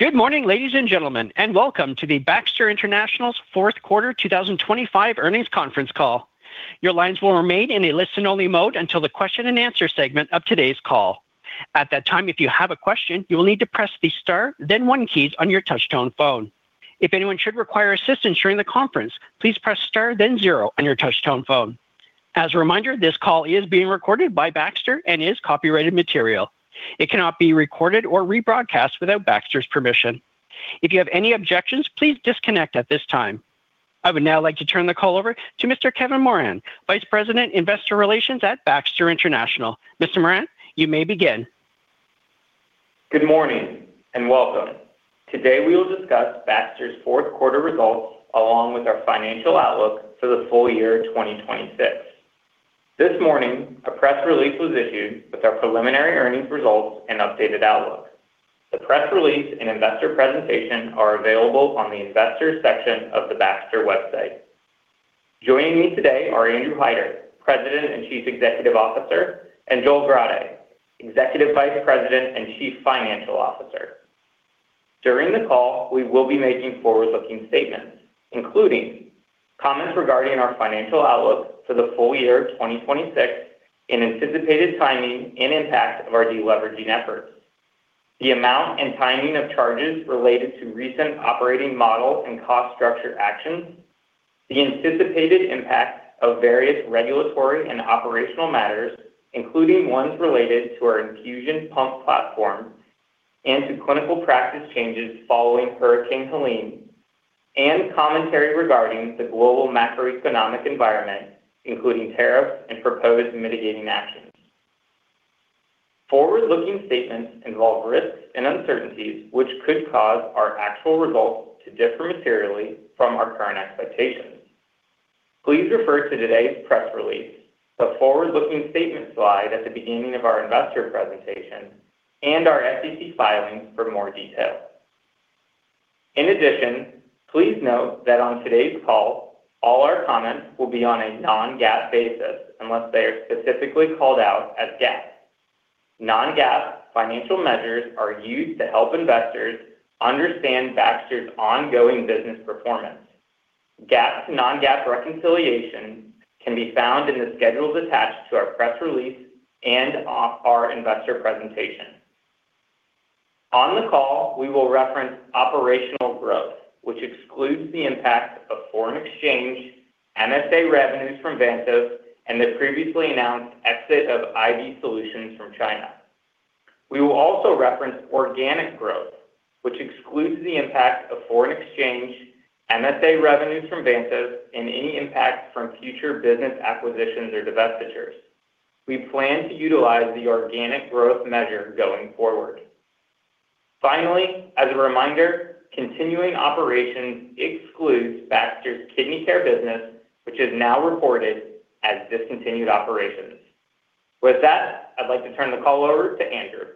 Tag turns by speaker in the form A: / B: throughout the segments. A: Good morning, ladies and gentlemen, and welcome to the Baxter International fourth quarter 2025 earnings conference call. Your lines will remain in a listen-only mode until the question and answer segment of today's call. At that time, if you have a question, you will need to press the star, then one keys on your touch-tone phone. If anyone should require assistance during the conference, please press star, then zero on your touch-tone phone. As a reminder, this call is being recorded by Baxter and is copyrighted material. It cannot be recorded or rebroadcast without Baxter's permission. If you have any objections, please disconnect at this time. I would now like to turn the call over to Mr. Kevin Moran, Vice President, Investor Relations at Baxter International. Mr. Moran, you may begin.
B: Good morning, and welcome. Today, we will discuss Baxter's fourth quarter results, along with our financial outlook for the full year 2026. This morning, a press release was issued with our preliminary earnings results and updated outlook. The press release and investor presentation are available on the Investors section of the Baxter website. Joining me today are Andrew Hider, President and Chief Executive Officer, and Joel Grade, Executive Vice President and Chief Financial Officer. During the call, we will be making forward-looking statements, including comments regarding our financial outlook for the full year 2026 and anticipated timing and impact of our deleveraging efforts, the amount and timing of charges related to recent operating model and cost structure actions, the anticipated impact of various regulatory and operational matters, including ones related to our infusion pump platform and to clinical practice changes following Hurricane Helene, and commentary regarding the global macroeconomic environment, including tariffs and proposed mitigating actions. Forward-looking statements involve risks and uncertainties which could cause our actual results to differ materially from our current expectations. Please refer to today's press release, the forward-looking statement slide at the beginning of our investor presentation, and our SEC filings for more details. In addition, please note that on today's call, all our comments will be on a non-GAAP basis unless they are specifically called out as GAAP. Non-GAAP financial measures are used to help investors understand Baxter's ongoing business performance. GAAP to non-GAAP reconciliation can be found in the schedules attached to our press release and off our investor presentation. On the call, we will reference operational growth, which excludes the impact of foreign exchange, MSA revenues from Vantive, and the previously announced exit of IV Solutions from China. We will also reference organic growth, which excludes the impact of foreign exchange, MSA revenues from Vantive, and any impact from future business acquisitions or divestitures. We plan to utilize the organic growth measure going forward. Finally, as a reminder, continuing operations excludes Baxter's Kidney Care business, which is now reported as discontinued operations. With that, I'd like to turn the call over to Andrew.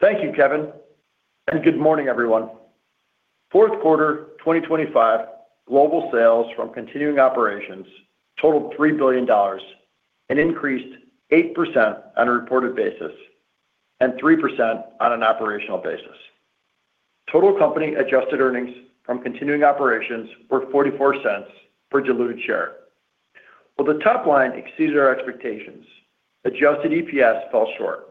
C: Thank you, Kevin, and good morning, everyone. Fourth quarter 2025, global sales from continuing operations totaled $3 billion and increased 8% on a reported basis and 3% on an operational basis. Total company adjusted earnings from continuing operations were $0.44 per diluted share. While the top line exceeds our expectations, adjusted EPS fell short.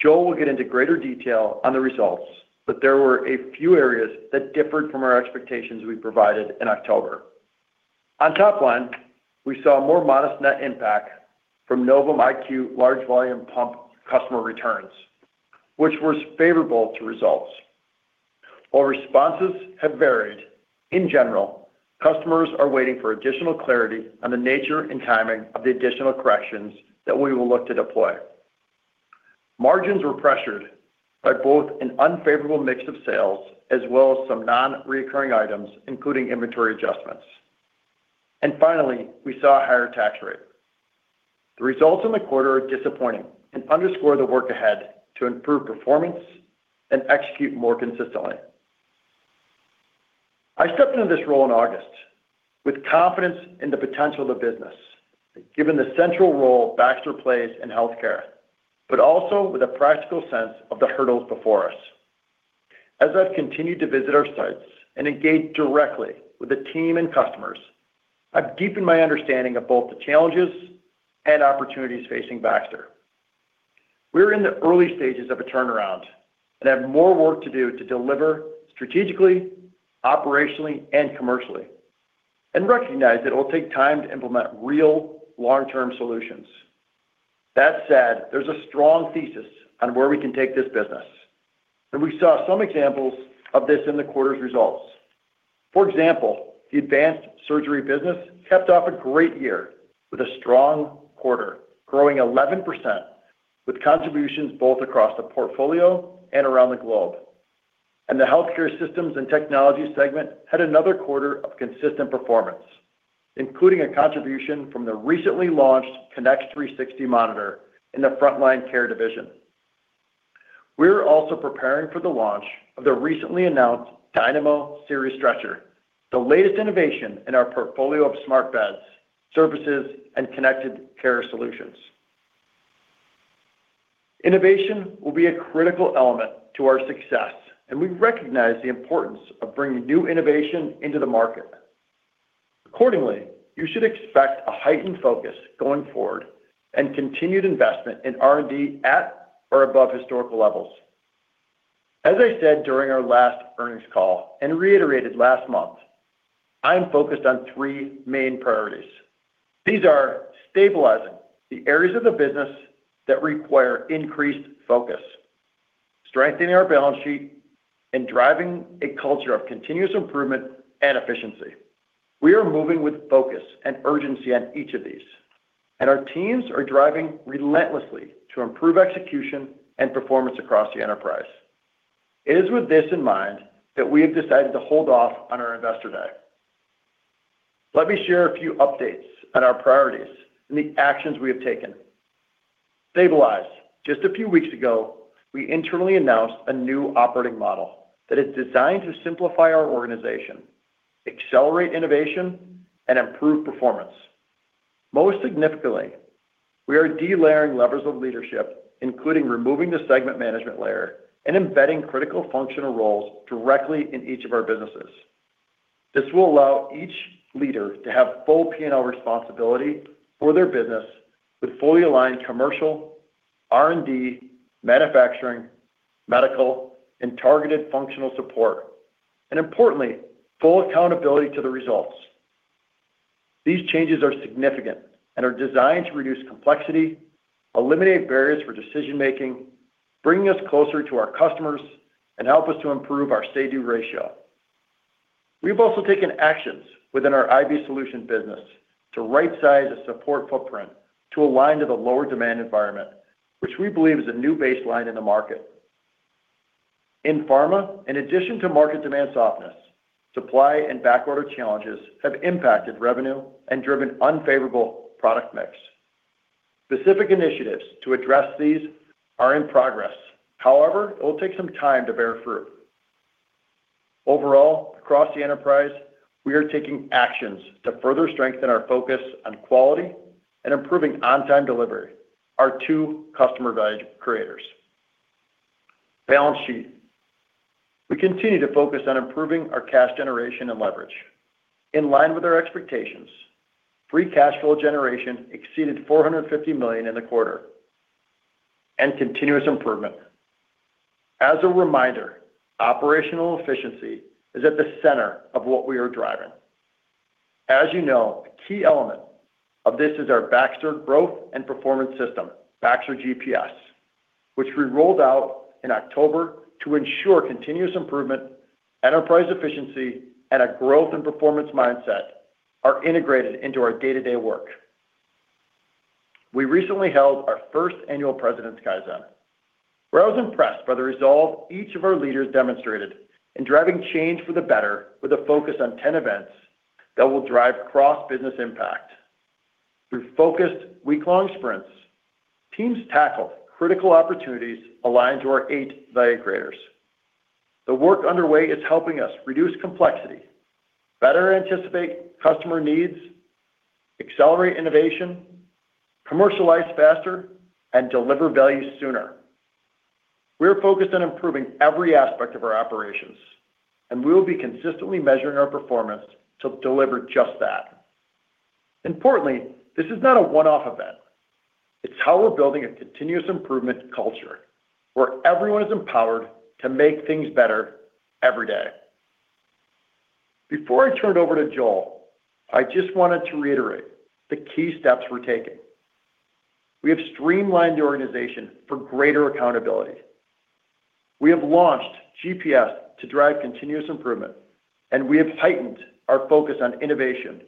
C: Joel will get into greater detail on the results, but there were a few areas that differed from our expectations we provided in October. On top line, we saw a more modest net impact from Novum IQ Large Volume Pump customer returns, which was favorable to results. While responses have varied, in general, customers are waiting for additional clarity on the nature and timing of the additional corrections that we will look to deploy. Margins were pressured by both an unfavorable mix of sales as well as some non-recurring items, including inventory adjustments. Finally, we saw a higher tax rate. The results in the quarter are disappointing and underscore the work ahead to improve performance and execute more consistently. I stepped into this role in August with confidence in the potential of the business, given the central role Baxter plays in healthcare, but also with a practical sense of the hurdles before us. As I've continued to visit our sites and engage directly with the team and customers, I've deepened my understanding of both the challenges and opportunities facing Baxter. We're in the early stages of a turnaround and have more work to do to deliver strategically, operationally, and commercially, and recognize that it will take time to implement real long-term solutions. That said, there's a strong thesis on where we can take this business, and we saw some examples of this in the quarter's results. For example, the Advanced Surgery business capped off a great year with a strong quarter, growing 11%, with contributions both across the portfolio and around the globe. The Healthcare Systems and Technologies segment had another quarter of consistent performance, including a contribution from the recently launched Connex 360 monitor in the Front Line Care division. We're also preparing for the launch of the recently announced Dynamo Series Stretcher. The latest innovation in our portfolio of smart beds, services, and connected care solutions. Innovation will be a critical element to our success, and we recognize the importance of bringing new innovation into the market. Accordingly, you should expect a heightened focus going forward and continued investment in R&D at or above historical levels. As I said during our last earnings call and reiterated last month, I am focused on three main priorities. These are stabilizing the areas of the business that require increased focus, strengthening our balance sheet, and driving a culture of continuous improvement and efficiency. We are moving with focus and urgency on each of these, and our teams are driving relentlessly to improve execution and performance across the enterprise. It is with this in mind that we have decided to hold off on our Investor Day. Let me share a few updates on our priorities and the actions we have taken. Stabilize. Just a few weeks ago, we internally announced a new operating model that is designed to simplify our organization, accelerate innovation, and improve performance. Most significantly, we are delayering levels of leadership, including removing the segment management layer and embedding critical functional roles directly in each of our businesses. This will allow each leader to have full P&L responsibility for their business with fully aligned commercial, R&D, manufacturing, medical, and targeted functional support, and importantly, full accountability to the results. These changes are significant and are designed to reduce complexity, eliminate barriers for decision-making, bring us closer to our customers, and help us to improve our say-do ratio. We've also taken actions within our IV Solutions business to rightsize a support footprint to align to the lower demand environment, which we believe is a new baseline in the market. In Pharma, in addition to market demand softness, supply and backorder challenges have impacted revenue and driven unfavorable product mix. Specific initiatives to address these are in progress. However, it will take some time to bear fruit. Overall, across the enterprise, we are taking actions to further strengthen our focus on quality and improving on-time delivery, our two customer value creators. Balance sheet. We continue to focus on improving our cash generation and leverage. In line with our expectations, free cash flow generation exceeded $450 million in the quarter, and continuous improvement. As a reminder, operational efficiency is at the center of what we are driving. As you know, a key element of this is our Baxter Growth and Performance System, Baxter GPS, which we rolled out in October to ensure continuous improvement, enterprise efficiency, and a growth and performance mindset are integrated into our day-to-day work. We recently held our first annual President's Kaizen, where I was impressed by the resolve each of our leaders demonstrated in driving change for the better, with a focus on 10 events that will drive cross-business impact. Through focused, week-long sprints, teams tackled critical opportunities aligned to our 8 value creators. The work underway is helping us reduce complexity, better anticipate customer needs, accelerate innovation, commercialize faster, and deliver value sooner. We are focused on improving every aspect of our operations, and we will be consistently measuring our performance to deliver just that. Importantly, this is not a one-off event. It's how we're building a continuous improvement culture where everyone is empowered to make things better every day. Before I turn it over to Joel, I just wanted to reiterate the key steps we're taking. We have streamlined the organization for greater accountability. We have launched GPS to drive continuous improvement, and we have heightened our focus on innovation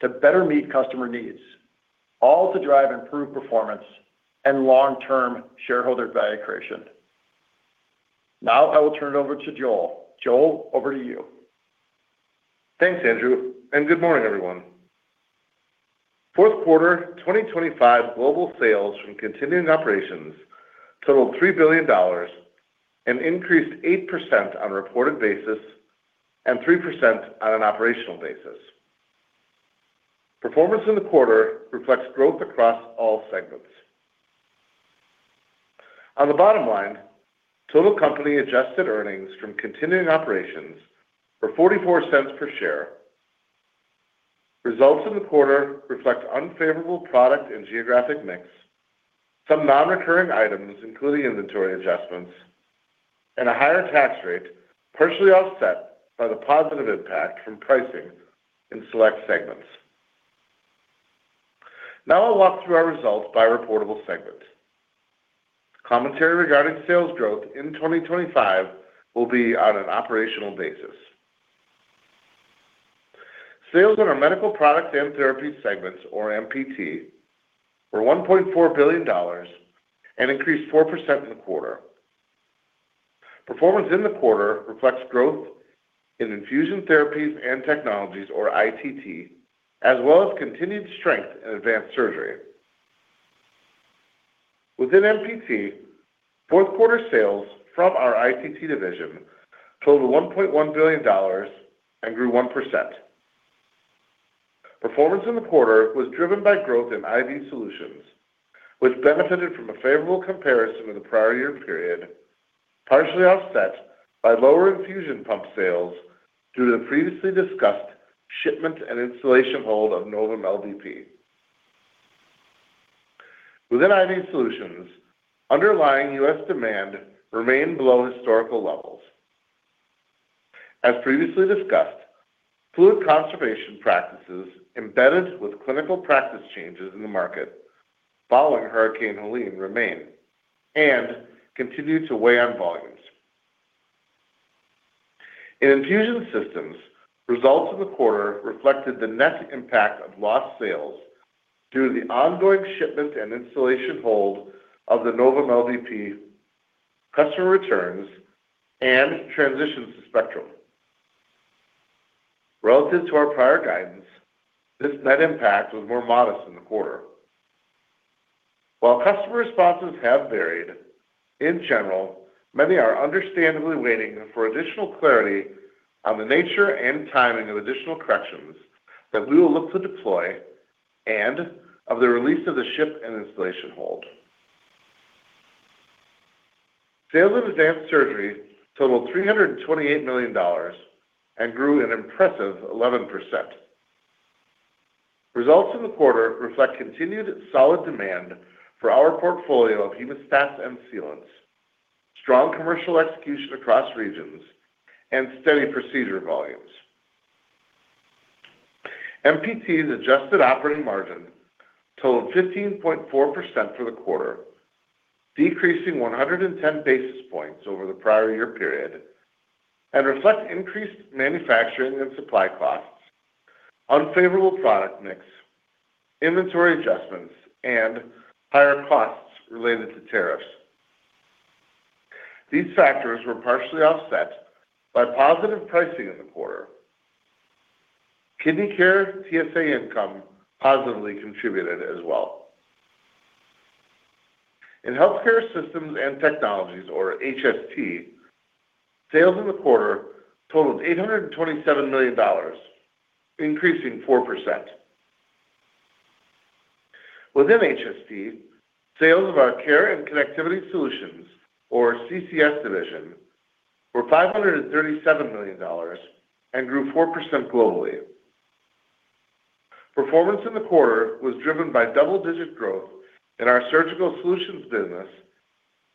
C: to better meet customer needs, all to drive improved performance and long-term shareholder value creation. Now I will turn it over to Joel. Joel, over to you.
D: Thanks, Andrew, and good morning, everyone. Fourth quarter 2025 global sales from continuing operations totaled $3 billion and increased 8% on a reported basis and 3% on an operational basis. Performance in the quarter reflects growth across all segments. On the bottom line, total company-adjusted earnings from continuing operations were $0.44 per share. Results in the quarter reflect unfavorable product and geographic mix, some non-recurring items, including inventory adjustments and a higher tax rate, partially offset by the positive impact from pricing in select segments. Now I'll walk through our results by reportable segment. Commentary regarding sales growth in 2025 will be on an operational basis. Sales in our Medical Products and Therapies segment, or MPT, were $1.4 billion and increased 4% in the quarter. Performance in the quarter reflects growth in Infusion Therapies and Technologies, or ITT, as well as continued strength in Advanced Surgery products. Within MPT, fourth quarter sales from our ITT division totaled $1.1 billion and grew 1%. Performance in the quarter was driven by growth in IV solutions, which benefited from a favorable comparison to the prior year period, partially offset by lower infusion pump sales due to the previously discussed shipment and installation hold of Novum IQ LVP. Within IV Solutions, underlying U.S. demand remained below historical levels. As previously discussed, fluid conservation practices embedded with clinical practice changes in the market following Hurricane Helene remained and continued to weigh on volumes. In infusion systems, results in the quarter reflected the net impact of lost sales due to the ongoing shipment and installation hold of the Novum IQ LVP, customer returns, and transitions to Spectrum. Relative to our prior guidance, this net impact was more modest in the quarter. While customer responses have varied, in general, many are understandably waiting for additional clarity on the nature and timing of additional corrections that we will look to deploy and of the release of the ship and installation hold. Sales of Advanced Surgery totaled $328 million and grew an impressive 11%. Results in the quarter reflect continued solid demand for our portfolio of hemostats and sealants, strong commercial execution across regions, and steady procedure volumes. MPT's adjusted operating margin totaled 15.4% for the quarter, decreasing 110 basis points over the prior year period, and reflects increased manufacturing and supply costs, unfavorable product mix, inventory adjustments, and higher costs related to tariffs. These factors were partially offset by positive pricing in the quarter. Kidney Care TSA income positively contributed as well. In Healthcare Systems and Technologies, or HST, sales in the quarter totaled $827 million, increasing 4%. Within HST, sales of our Care and Connectivity Solutions, or CCS division, were $537 million and grew 4% globally. Performance in the quarter was driven by double-digit growth in our Surgical Solutions business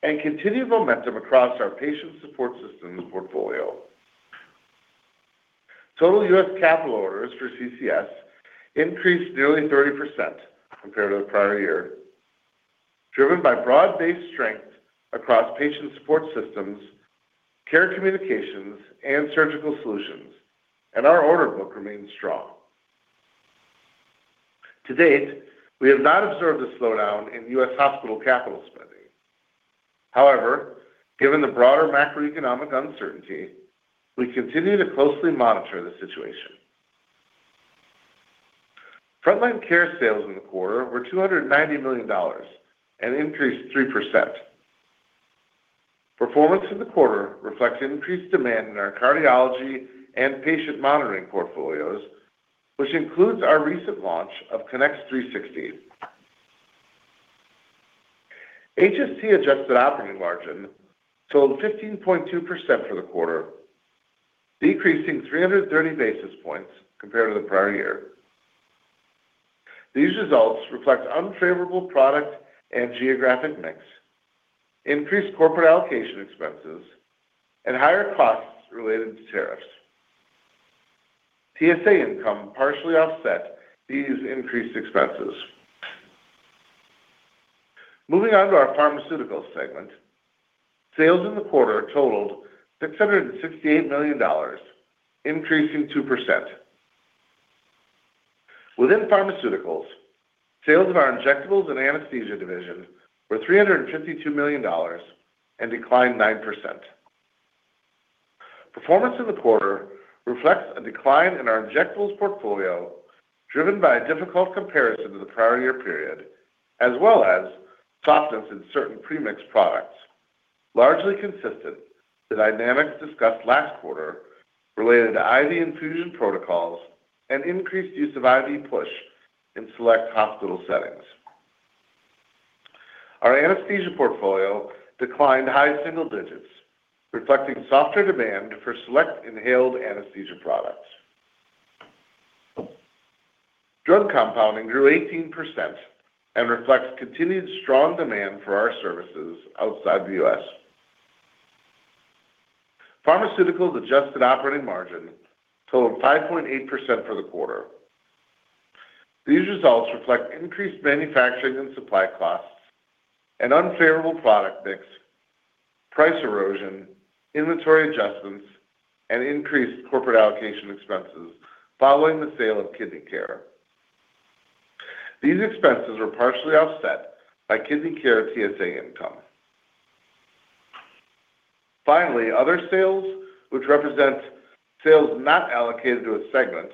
D: and continued momentum across our Patient Support Systems portfolio. Total U.S. capital orders for CCS increased nearly 30% compared to the prior year, driven by broad-based strength across Patient Support Systems, Care Communications, and Surgical Solutions, and our order book remains strong. To date, we have not observed a slowdown in U.S. hospital capital spending. However, given the broader macroeconomic uncertainty, we continue to closely monitor the situation. Front Line Care sales in the quarter were $290 million, an increase of 3%. Performance in the quarter reflects increased demand in our cardiology and patient monitoring portfolios, which includes our recent launch of Connex 360. HST adjusted operating margin totaled 15.2 for the quarter, decreasing 330 basis points compared to the prior year. These results reflect unfavorable product and geographic mix, increased corporate allocation expenses, and higher costs related to tariffs. TSA income partially offset these increased expenses. Moving on to our Pharmaceuticals segment. Sales in the quarter totaled $668 million, increasing 2%. Within Pharmaceuticals, sales of our Injectables and Anesthesia division were $352 million and declined 9%. Performance in the quarter reflects a decline in our injectables portfolio, driven by a difficult comparison to the prior year period, as well as softness in certain pre-mix products, largely consistent to the dynamics discussed last quarter related to IV infusion protocols and increased use of IV push in select hospital settings. Our anesthesia portfolio declined high single digits, reflecting softer demand for select inhaled anesthesia products. Drug Compounding grew 18% and reflects continued strong demand for our services outside the U.S. Pharmaceuticals adjusted operating margin totaled 5.8 for the quarter. These results reflect increased manufacturing and supply costs, an unfavorable product mix, price erosion, inventory adjustments, and increased corporate allocation expenses following the sale of Kidney Care. These expenses were partially offset by Kidney Care TSA income. Finally, other sales, which represent sales not allocated to a segment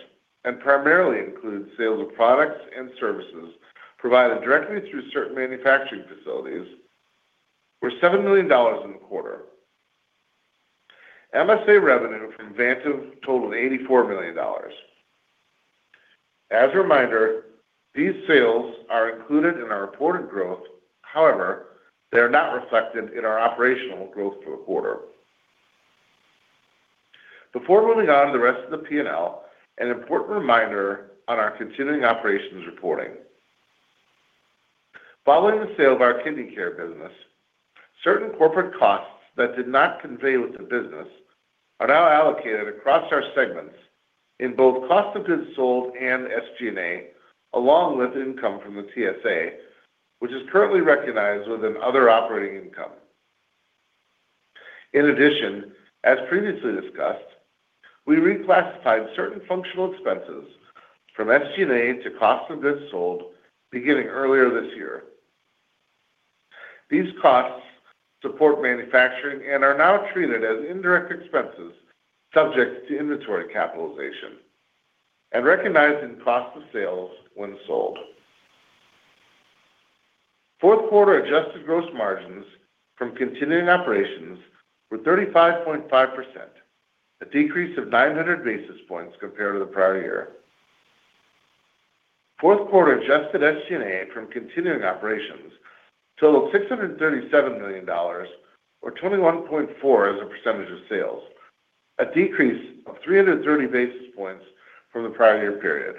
D: and primarily include sales of products and services provided directly through certain manufacturing facilities, were $7 million in the quarter. MSA revenue from Vantive totaled $84 million. As a reminder, these sales are included in our reported growth. However, they are not reflected in our operational growth for the quarter. Before moving on to the rest of the P&L, an important reminder on our continuing operations reporting. Following the sale of our Kidney Care business, certain corporate costs that did not convey with the business are now allocated across our segments in both cost of goods sold and SG&A, along with income from the TSA, which is currently recognized within other operating income. In addition, as previously discussed, we reclassified certain functional expenses from SG&A to cost of goods sold beginning earlier this year. These costs support manufacturing and are now treated as indirect expenses, subject to inventory capitalization and recognized in cost of sales when sold. Fourth quarter adjusted gross margins from continuing operations were 35.5%, a decrease of 900 basis points compared to the prior year. Fourth quarter adjusted SG&A from continuing operations totaled $637 million or 21.4% of sales, a decrease of 330 basis points from the prior year period.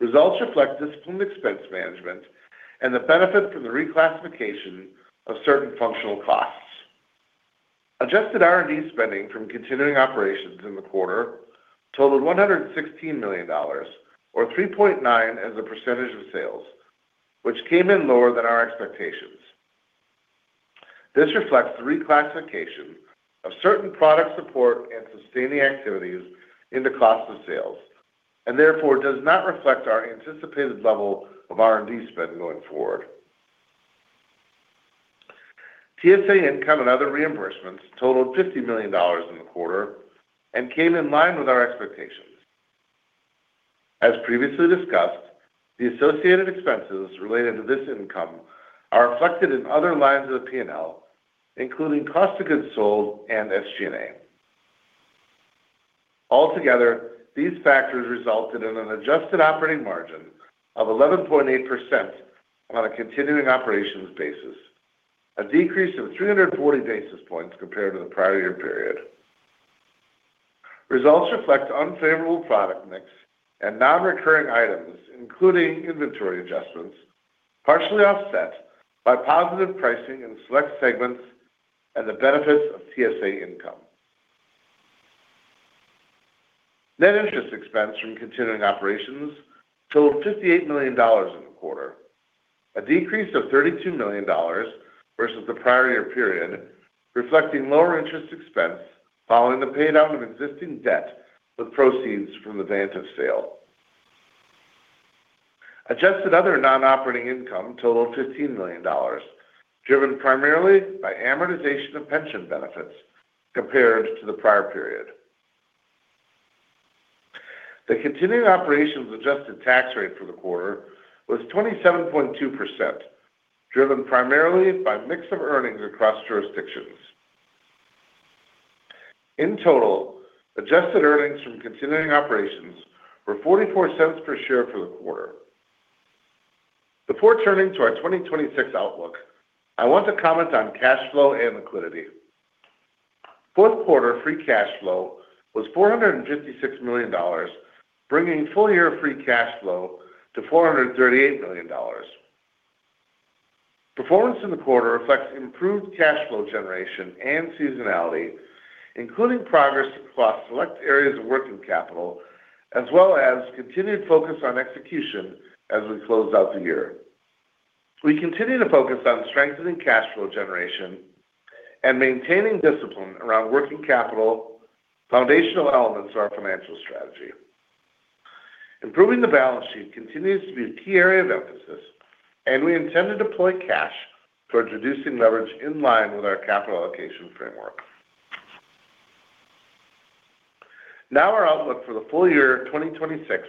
D: Results reflect disciplined expense management and the benefit from the reclassification of certain functional costs. Adjusted R&D spending from continuing operations in the quarter totaled $116 million, or 3.9% of sales, which came in lower than our expectations. This reflects the reclassification of certain product support and sustaining activities into cost of sales, and therefore does not reflect our anticipated level of R&D spend going forward. TSA income and other reimbursements totaled $50 million in the quarter and came in line with our expectations. As previously discussed, the associated expenses related to this income are reflected in other lines of the P&L, including cost of goods sold and SG&A. Altogether, these factors resulted in an adjusted operating margin of 11.8% on a continuing operations basis, a decrease of 340 basis points compared to the prior year period. Results reflect unfavorable product mix and non-recurring items, including inventory adjustments, partially offset by positive pricing in select segments and the benefits of TSA income. Net interest expense from continuing operations totaled $58 million in the quarter, a decrease of $32 million versus the prior year period, reflecting lower interest expense following the paydown of existing debt with proceeds from the Vantive sale. Adjusted other non-operating income totaled $15 million, driven primarily by amortization of pension benefits compared to the prior period. The continuing operations adjusted tax rate for the quarter was 27.2%, driven primarily by mix of earnings across jurisdictions. In total, adjusted earnings from continuing operations were $0.44 per share for the quarter. Before turning to our 2026 outlook, I want to comment on cash flow and liquidity. Fourth quarter free cash flow was $456 million, bringing full-year free cash flow to $438 million. Performance in the quarter reflects improved cash flow generation and seasonality, including progress across select areas of working capital, as well as continued focus on execution as we close out the year. We continue to focus on strengthening cash flow generation and maintaining discipline around working capital, foundational elements of our financial strategy. Improving the balance sheet continues to be a key area of emphasis, and we intend to deploy cash towards reducing leverage in line with our capital allocation framework. Now, our outlook for the full year of 2026,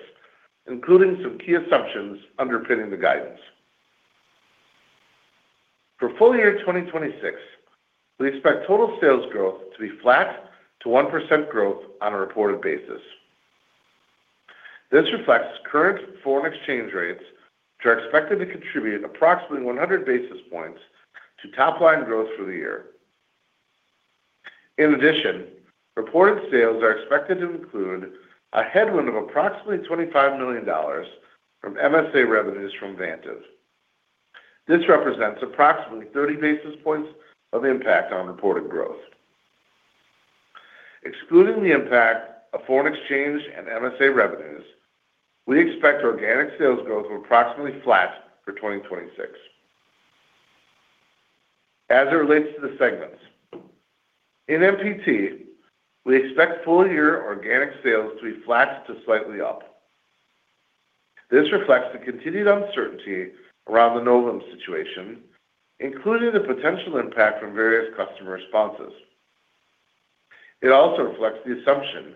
D: including some key assumptions underpinning the guidance. For full year 2026, we expect total sales growth to be flat to 1% growth on a reported basis. This reflects current foreign exchange rates, which are expected to contribute approximately 100 basis points to top-line growth through the year. In addition, reported sales are expected to include a headwind of approximately $25 million from MSA revenues from Vantive. This represents approximately 30 basis points of impact on reported growth. Excluding the impact of foreign exchange and MSA revenues, we expect organic sales growth of approximately flat for 2026. As it relates to the segments, in MPT, we expect full-year organic sales to be flat to slightly up. This reflects the continued uncertainty around the Novum situation, including the potential impact from various customer responses. It also reflects the assumption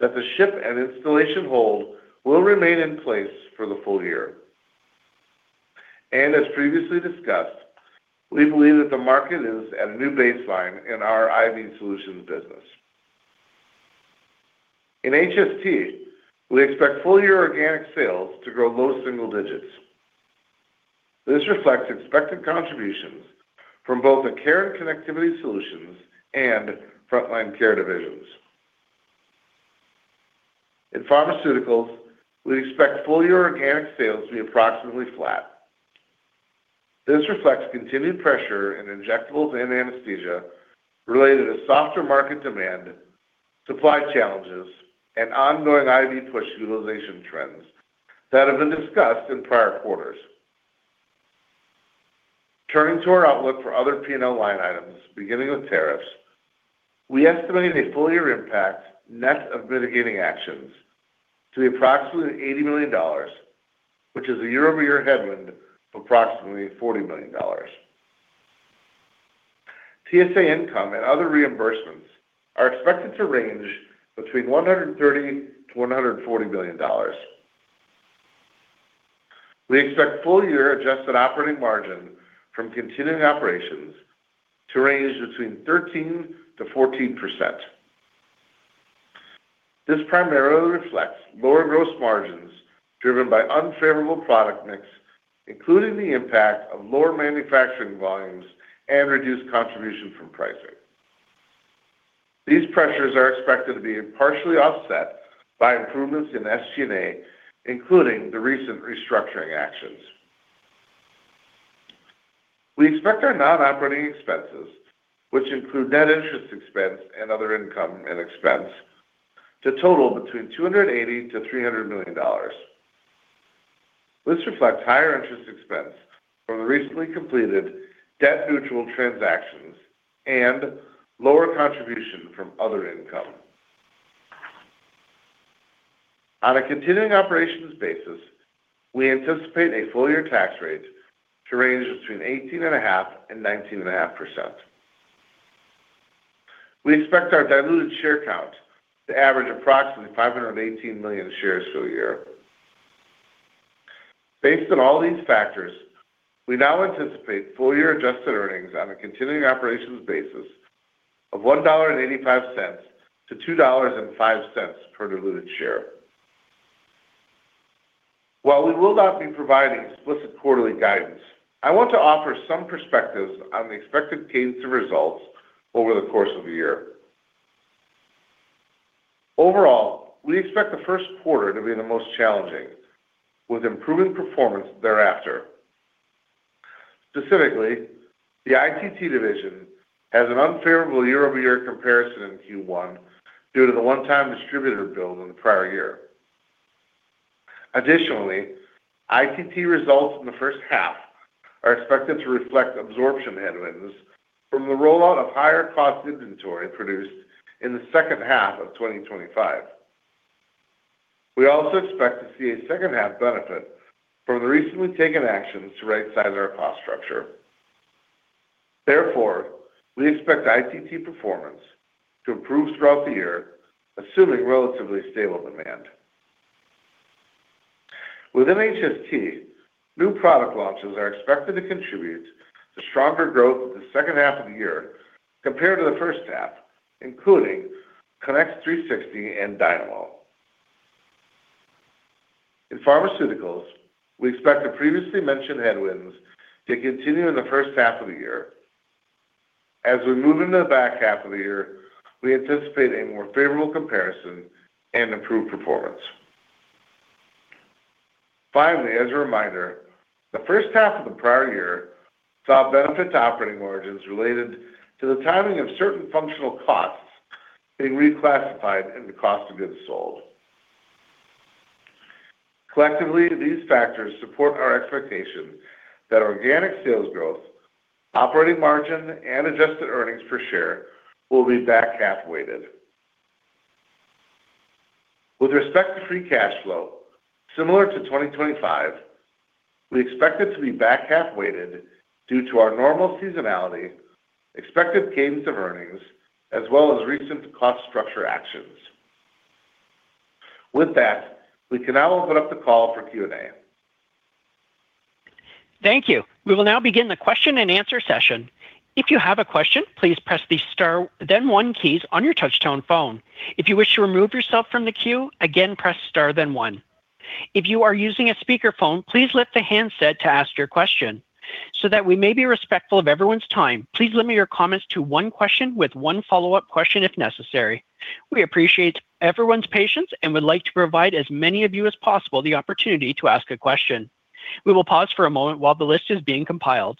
D: that the ship and installation hold will remain in place for the full year. And as previously discussed, we believe that the market is at a new baseline in our IV solutions business. In HST, we expect full-year organic sales to grow low single digits. This reflects expected contributions from both the Care and Connectivity Solutions and Front Line Care divisions. In Pharmaceuticals, we expect full-year organic sales to be approximately flat. This reflects continued pressure in Injectables and Anesthesia related to softer market demand, supply challenges, and ongoing IV push utilization trends that have been discussed in prior quarters. Turning to our outlook for other P&L line items, beginning with tariffs, we estimate a full-year impact net of mitigating actions to be approximately $80 million, which is a year-over-year headwind of approximately $40 million. TSA income and other reimbursements are expected to range between $130 billion and $140 billion. We expect full-year adjusted operating margin from continuing operations to range between 13% and 14%. This primarily reflects lower gross margins, driven by unfavorable product mix, including the impact of lower manufacturing volumes and reduced contribution from pricing. These pressures are expected to be partially offset by improvements in SG&A, including the recent restructuring actions. We expect our non-operating expenses, which include net interest expense and other income and expense, to total between $280 million-$300 million. This reflects higher interest expense from the recently completed debt-neutral transactions and lower contribution from other income. On a continuing operations basis, we anticipate a full-year tax rate to range between 18.5%-19.5%. We expect our diluted share count to average approximately 518 million shares for the year. Based on all these factors, we now anticipate full-year adjusted earnings on a continuing operations basis of $1.85-$2.05 per diluted share. While we will not be providing explicit quarterly guidance, I want to offer some perspectives on the expected gains to results over the course of the year. Overall, we expect the first quarter to be the most challenging, with improving performance thereafter. Specifically, the ITT Division has an unfavorable year-over-year comparison in Q1 due to the one-time distributor build in the prior year. Additionally, ITT results in the first half are expected to reflect absorption headwinds from the rollout of higher-cost inventory produced in the second half of 2025. We also expect to see a second-half benefit from the recently taken actions to right-size our cost structure. Therefore, we expect ITT performance to improve throughout the year, assuming relatively stable demand. Within HST, new product launches are expected to contribute to stronger growth in the second half of the year compared to the first half, including Connex 360 and Dynamo. In Pharmaceuticals, we expect the previously mentioned headwinds to continue in the first half of the year. As we move into the back half of the year, we anticipate a more favorable comparison and improved performance. Finally, as a reminder, the first half of the prior year saw benefits to operating margins related to the timing of certain functional costs being reclassified in the cost of goods sold. Collectively, these factors support our expectation that organic sales growth, operating margin, and adjusted earnings per share will be back-half weighted. With respect to free cash flow, similar to 2025, we expect it to be back-half weighted due to our normal seasonality, expected gains of earnings, as well as recent cost structure actions. With that, we can now open up the call for Q&A.
A: Thank you. We will now begin the question-and-answer session. If you have a question, please press the star, then one keys on your touch-tone phone. If you wish to remove yourself from the queue, again, press star then one. If you are using a speakerphone, please lift the handset to ask your question. So that we may be respectful of everyone's time, please limit your comments to one question with one follow-up question if necessary. We appreciate everyone's patience and would like to provide as many of you as possible the opportunity to ask a question. We will pause for a moment while the list is being compiled.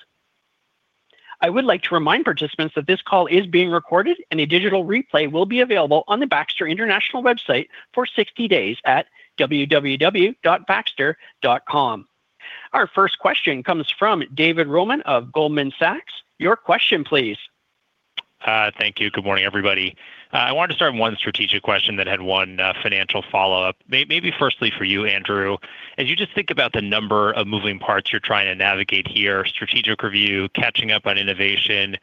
A: I would like to remind participants that this call is being recorded, and a digital replay will be available on the Baxter International website for 60 days at www.baxter.com. Our first question comes from David Roman of Goldman Sachs. Your question, please.
E: Thank you. Good morning, everybody. I wanted to start with one strategic question that had one, financial follow-up. May, maybe firstly for you, Andrew, as you just think about the number of moving parts you're trying to navigate here: strategic review, catching up on innovation,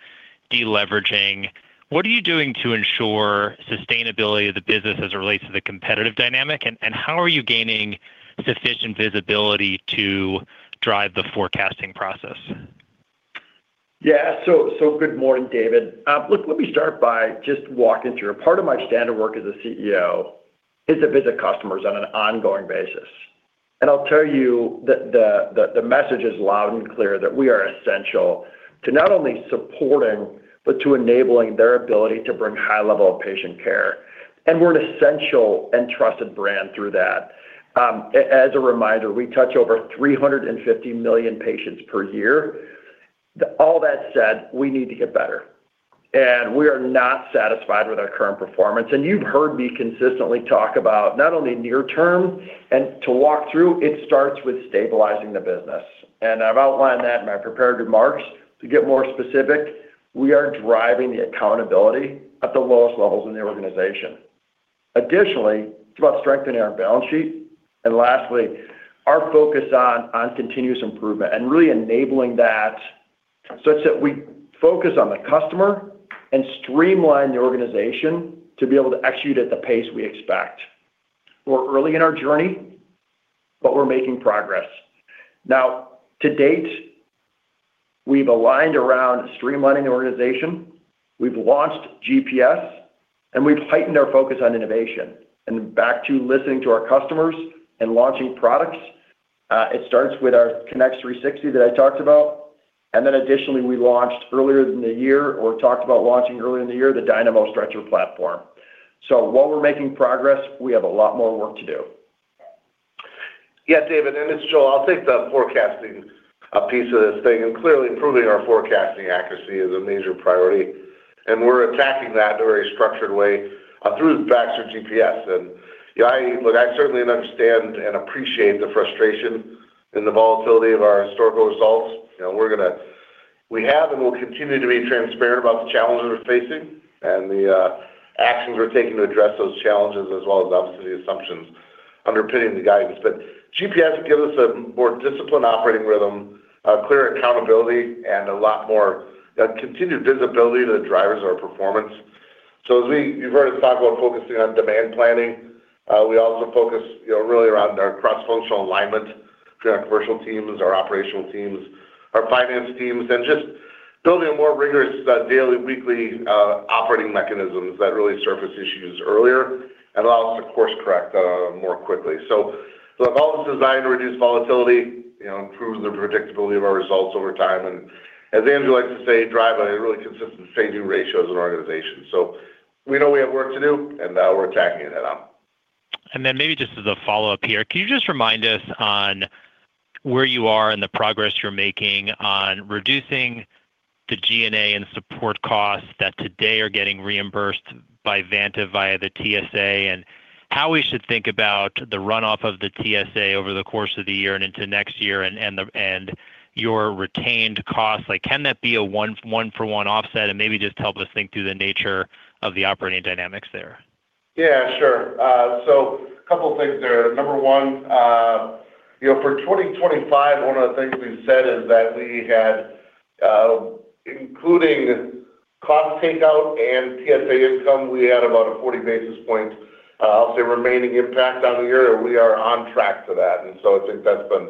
E: deleveraging, what are you doing to ensure sustainability of the business as it relates to the competitive dynamic? And, and how are you gaining sufficient visibility to drive the forecasting process?
C: Yeah. So good morning, David. Let me start by just walking through. Part of my standard work as a CEO is to visit customers on an ongoing basis. And I'll tell you that the message is loud and clear that we are essential to not only supporting, but to enabling their ability to bring high level of patient care, and we're an essential and trusted brand through that. As a reminder, we touch over 350 million patients per year. All that said, we need to get better, and we are not satisfied with our current performance. And you've heard me consistently talk about not only near term, and to walk through, it starts with stabilizing the business, and I've outlined that in my prepared remarks. To get more specific, we are driving the accountability at the lowest levels in the organization. Additionally, it's about strengthening our balance sheet, and lastly, our focus on, on continuous improvement and really enabling that such that we focus on the customer and streamline the organization to be able to execute at the pace we expect. We're early in our journey, but we're making progress. Now, to date, we've aligned around streamlining the organization, we've launched GPS, and we've heightened our focus on innovation and back to listening to our customers and launching products. It starts with our Connex 360 that I talked about, and then additionally, we launched earlier in the year or talked about launching earlier in the year, the Dynamo Stretcher platform. So while we're making progress, we have a lot more work to do.
D: Yeah, David, and it's Joel. I'll take the forecasting piece of this thing, and clearly, improving our forecasting accuracy is a major priority, and we're attacking that in a very structured way through Baxter GPS. And yeah, I look, I certainly understand and appreciate the frustration and the volatility of our historical results, and we're gonna... We have and will continue to be transparent about the challenges we're facing and the actions we're taking to address those challenges, as well as obviously, the assumptions underpinning the guidance. But GPS gives us a more disciplined operating rhythm, a clear accountability, and a lot more continued visibility to the drivers of our performance. So as you've heard us talk about focusing on demand planning, we also focus, you know, really around our cross-functional alignment between our commercial teams, our operational teams, our finance teams, and just building a more rigorous, daily, weekly, operating mechanisms that really surface issues earlier and allow us to course correct, more quickly. So, look, all this is designed to reduce volatility, you know, improve the predictability of our results over time, and as Andrew likes to say, drive a really consistent say-do ratio as an organization. So we know we have work to do, and, we're attacking it head-on.
E: And then maybe just as a follow-up here, can you just remind us on where you are and the progress you're making on reducing the G&A and support costs that today are getting reimbursed by Vantive via the TSA, and how we should think about the runoff of the TSA over the course of the year and into next year and your retained costs? Like, can that be a one-for-one offset? And maybe just help us think through the nature of the operating dynamics there.
D: Yeah, sure. So a couple of things there. Number one, you know, for 2025, one of the things we've said is that we had, including cost takeout and TSA income, we had about a 40 basis points, I'll say, remaining impact on the year, we are on track for that, and so I think that's been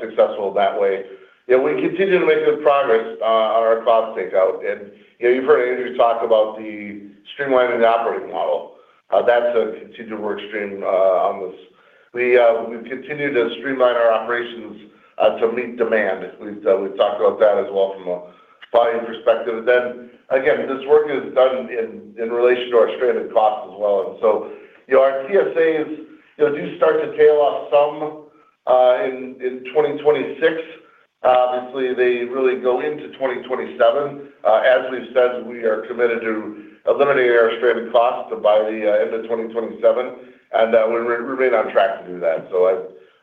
D: successful that way. Yeah, we continue to make good progress on our cost takeout, and, you know, you've heard Andrew talk about the streamlining the operating model. That's a continual work stream on this. We, we've continued to streamline our operations to meet demand. We've, we've talked about that as well from a volume perspective. Then again, this work is done in, in relation to our stranded costs as well. And so, you know, our TSAs, you know, do start to tail off some in 2026. Obviously, they really go into 2027. As we've said, we are committed to eliminating our stranded costs by the end of 2027, and we're remaining on track to do that. So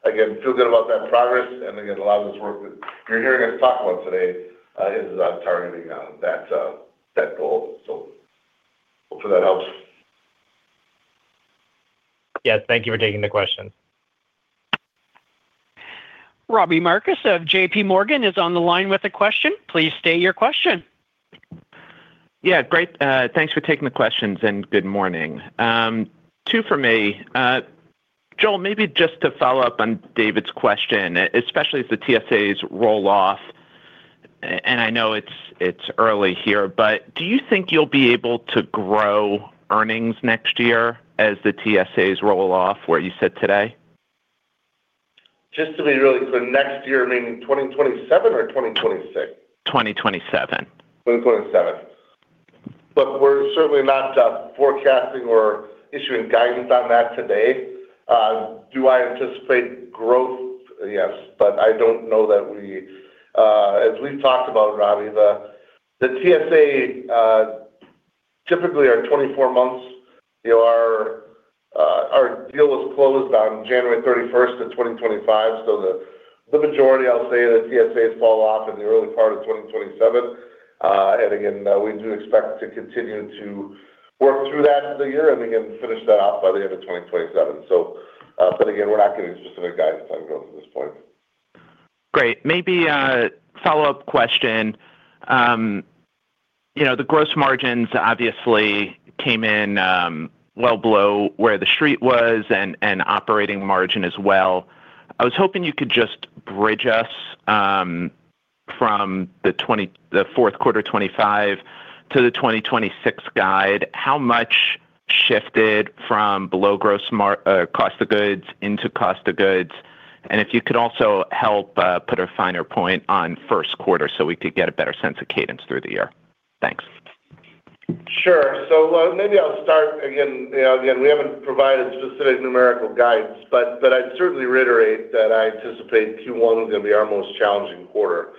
D: I, again, feel good about that progress, and again, a lot of this work that you're hearing us talk about today is on targeting on that goal. So hopefully that helps.
E: Yeah, thank you for taking the question.
A: Robbie Marcus of JPMorgan is on the line with a question. Please state your question.
F: Yeah, great. Thanks for taking the questions, and good morning. Two for me. Joel, maybe just to follow up on David's question, especially as the TSAs roll off, and I know it's, it's early here, but do you think you'll be able to grow earnings next year as the TSAs roll off, what you said today?
D: Just to be really clear, next year, meaning 2027 or 2026?
F: 2027.
D: 2027. Look, we're certainly not forecasting or issuing guidance on that today. Do I anticipate growth? Yes, but I don't know that we... As we've talked about, Robbie, the TSA typically are 24 months. You know, our deal was closed on January 31st of 2025. So the majority, I'll say, the TSAs fall off in the early part of 2027. And again, we do expect to continue to work through that through the year and again, finish that off by the end of 2027. So, but again, we're not giving specific guidance on growth at this point.
F: Great. Maybe a follow-up question. You know, the gross margins obviously came in well below where the street was and operating margin as well. I was hoping you could just bridge us from the fourth quarter 2025 to the 2026 guide. How much shifted from below gross margin into cost of goods? And if you could also help put a finer point on first quarter, so we could get a better sense of cadence through the year. Thanks.
D: Sure. So, maybe I'll start again. You know, again, we haven't provided specific numerical guidance, but I'd certainly reiterate that I anticipate Q1 is going to be our most challenging quarter.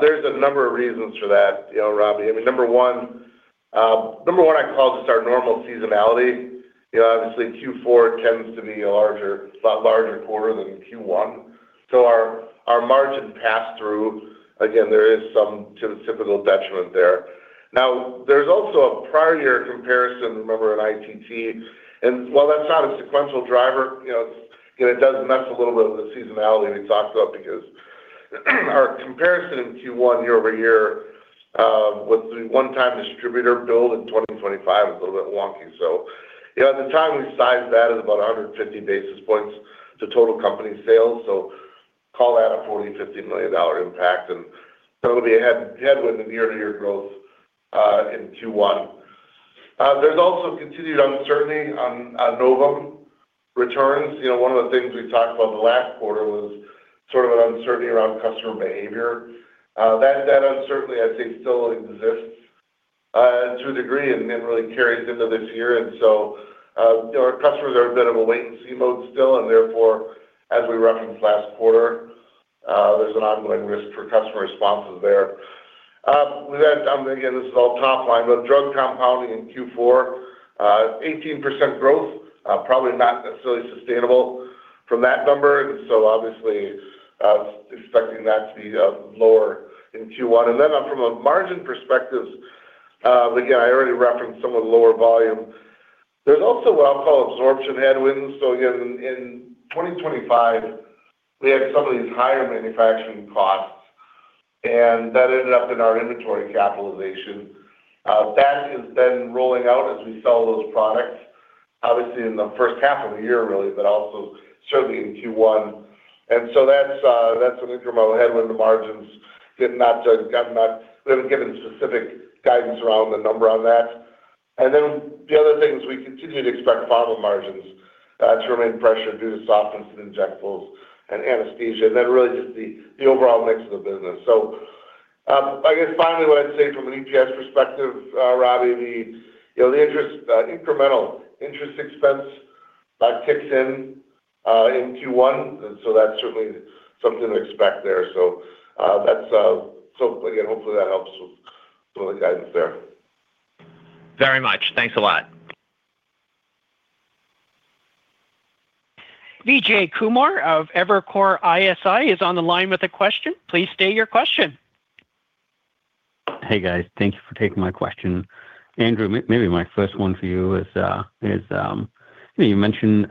D: There's a number of reasons for that, you know, Robbie. I mean, number one, number one, I'd call just our normal seasonality. You know, obviously Q4 tends to be a lot larger quarter than Q1. So our margin pass-through, again, there is some typical detriment there. Now, there's also a prior year comparison, remember, at ITT, and while that's not a sequential driver, you know, it does mess a little bit with the seasonality we talked about because our comparison in Q1 year-over-year with the one-time distributor build in 2025 is a little bit wonky. So, you know, at the time, we sized that as about 150 basis points to total company sales, so call that a $40 million-$50 million impact, and that'll be a headwind in year-to-year growth in Q1. There's also continued uncertainty on Novum returns. You know, one of the things we talked about in the last quarter was sort of an uncertainty around customer behavior. That uncertainty, I'd say, still exists to a degree, and again, really carries into this year. And so, our customers are a bit of a wait-and-see mode still, and therefore, as we referenced last quarter, there's an ongoing risk for customer responses there. Then, again, this is all top line, but Drug Compounding in Q4 18% growth, probably not necessarily sustainable from that number. So obviously, expecting that to be lower in Q1. And then from a margin perspective, again, I already referenced some of the lower volume. There's also what I'll call absorption headwinds. So again, in 2025, we had some of these higher manufacturing costs, and that ended up in our inventory capitalization. That is then rolling out as we sell those products, obviously in the first half of the year, really, but also certainly in Q1. And so that's an incremental headwind. The margins, we haven't given specific guidance around the number on that. And then the other thing is we continue to expect bottled margins to remain pressured due to softness in Injectables and Anesthesia, and then really just the overall mix of the business. So, I guess finally, what I'd say from an EPS perspective, Robbie, you know, the incremental interest expense that kicks in in Q1, and so that's certainly something to expect there. So, that's... So again, hopefully, that helps with some of the guidance there.
F: Very much. Thanks a lot.
A: Vijay Kumar of Evercore ISI is on the line with a question. Please state your question.
G: Hey, guys. Thank you for taking my question. Andrew, maybe my first one for you is, you mentioned,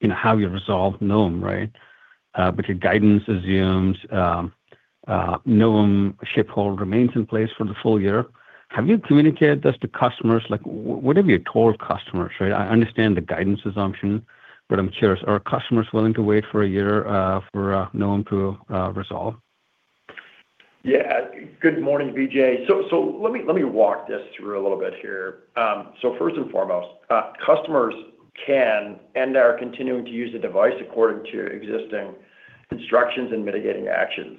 G: you know, how you resolve Novum, right? But your guidance assumes, Novum ship hold remains in place for the full year. Have you communicated this to customers? Like, what have you told customers, right? I understand the guidance assumption, but I'm curious, are customers willing to wait for a year, for Novum to resolve?
C: Yeah. Good morning, Vijay. So let me walk this through a little bit here. So first and foremost, customers can and are continuing to use the device according to existing instructions and mitigating actions.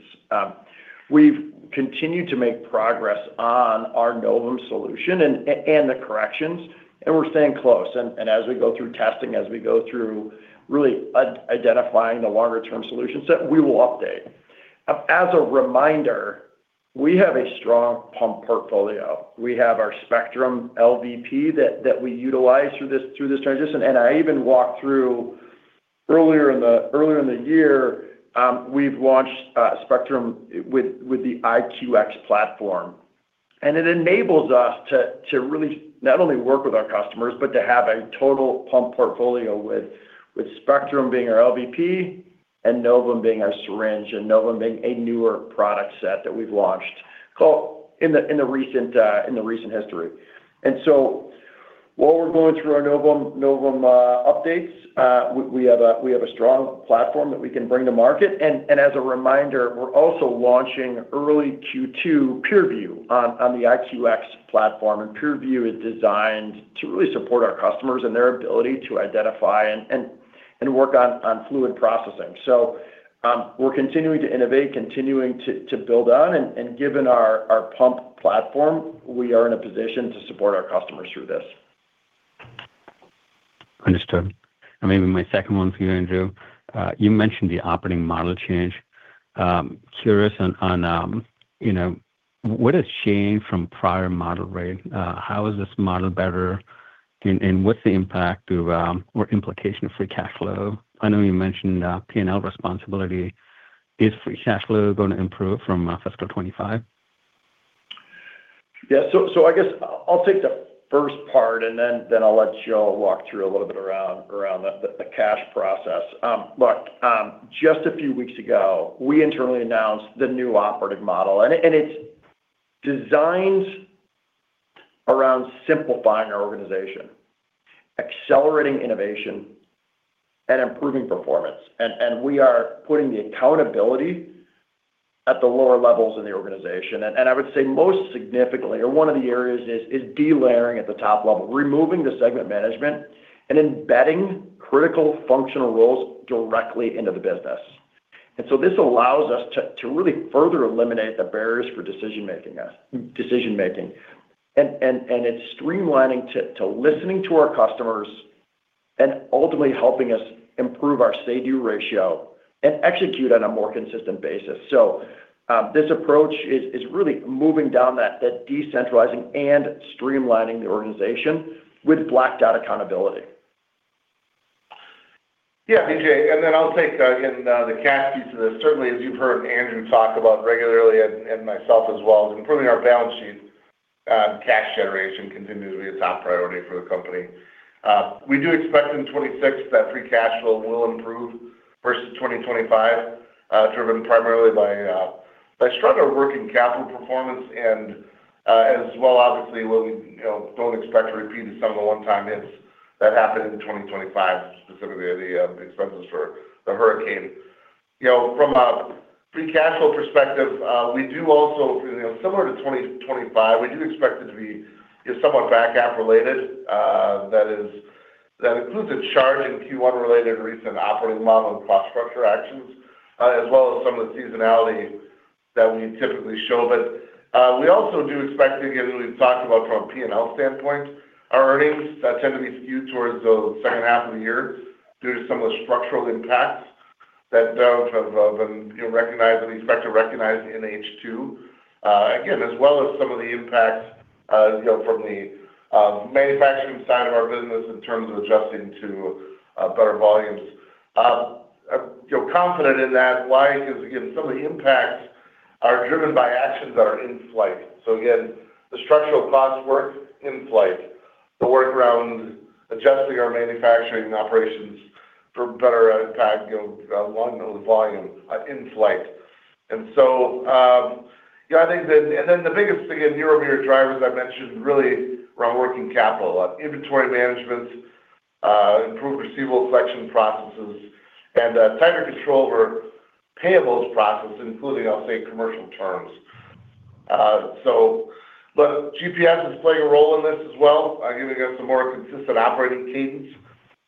C: We've continued to make progress on our Novum solution and the corrections, and we're staying close. And as we go through testing, as we go through really identifying the longer-term solution set, we will update. As a reminder, we have a strong pump portfolio. We have our Spectrum LVP that we utilize through this transition, and I even walked through earlier in the year, we've launched Spectrum with the IQX platform. It enables us to really not only work with our customers, but to have a total pump portfolio with Spectrum being our LVP and Novum being our syringe and Novum being a newer product set that we've launched in the recent history. So while we're going through our Novum updates, we have a strong platform that we can bring to market. And as a reminder, we're also launching early Q2 PureView on the IQX platform. And PureView is designed to really support our customers and their ability to identify and work on fluid processing. So we're continuing to innovate, continuing to build on, and given our pump platform, we are in a position to support our customers through this.
G: ...Understood. And maybe my second one for you, Andrew, you mentioned the operating model change. Curious on, on, you know, what has changed from prior model rate? How is this model better, and, and what's the impact of, or implication of free cash flow? I know you mentioned, P&L responsibility. Is free cash flow going to improve from, fiscal 2025?
C: Yeah. So, I guess I'll take the first part, and then I'll let Joel walk through a little bit around the cash process. Look, just a few weeks ago, we internally announced the new operating model, and it's designed around simplifying our organization, accelerating innovation, and improving performance. And we are putting the accountability at the lower levels in the organization. And I would say most significantly, or one of the areas is delayering at the top level, removing the segment management and embedding critical functional roles directly into the business. And so this allows us to really further eliminate the barriers for decision-making. And it's streamlining to listening to our customers and ultimately helping us improve our Say-Do Ratio and execute on a more consistent basis. This approach is really moving down that decentralizing and streamlining the organization with blocked out accountability.
D: Yeah, Vijay, and then I'll take, again, the cash piece of this. Certainly, as you've heard Andrew talk about regularly and, and myself as well, is improving our balance sheet, cash generation continues to be a top priority for the company. We do expect in 2026 that free cash flow will improve versus 2025, driven primarily by, by stronger working capital performance and, as well, obviously, we, you know, don't expect to repeat some of the one-time hits that happened in 2025, specifically the, expenses for the hurricane. You know, from a free cash flow perspective, we do also, you know, similar to 2025, we do expect it to be somewhat back half related. That is, that includes a charge in Q1 related to recent operating model and cost structure actions, as well as some of the seasonality that we typically show. But, we also do expect, again, we've talked about from a P&L standpoint, our earnings that tend to be skewed towards the second half of the year due to some of the structural impacts that have, you know, recognized and we expect to recognize in H2. Again, as well as some of the impacts, you know, from the manufacturing side of our business in terms of adjusting to better volumes. I feel confident in that. Why? Because again, some of the impacts are driven by actions that are in flight. So again, the structural costs work in flight, the work around adjusting our manufacturing operations for better impact, you know, along those volumes are in flight. And then the biggest thing in year-over-year drivers I mentioned really around working capital, inventory management, improved receivable collection processes, and tighter control over payables process, including, I'll say, commercial terms. So but GPS is playing a role in this as well, giving us a more consistent operating cadence,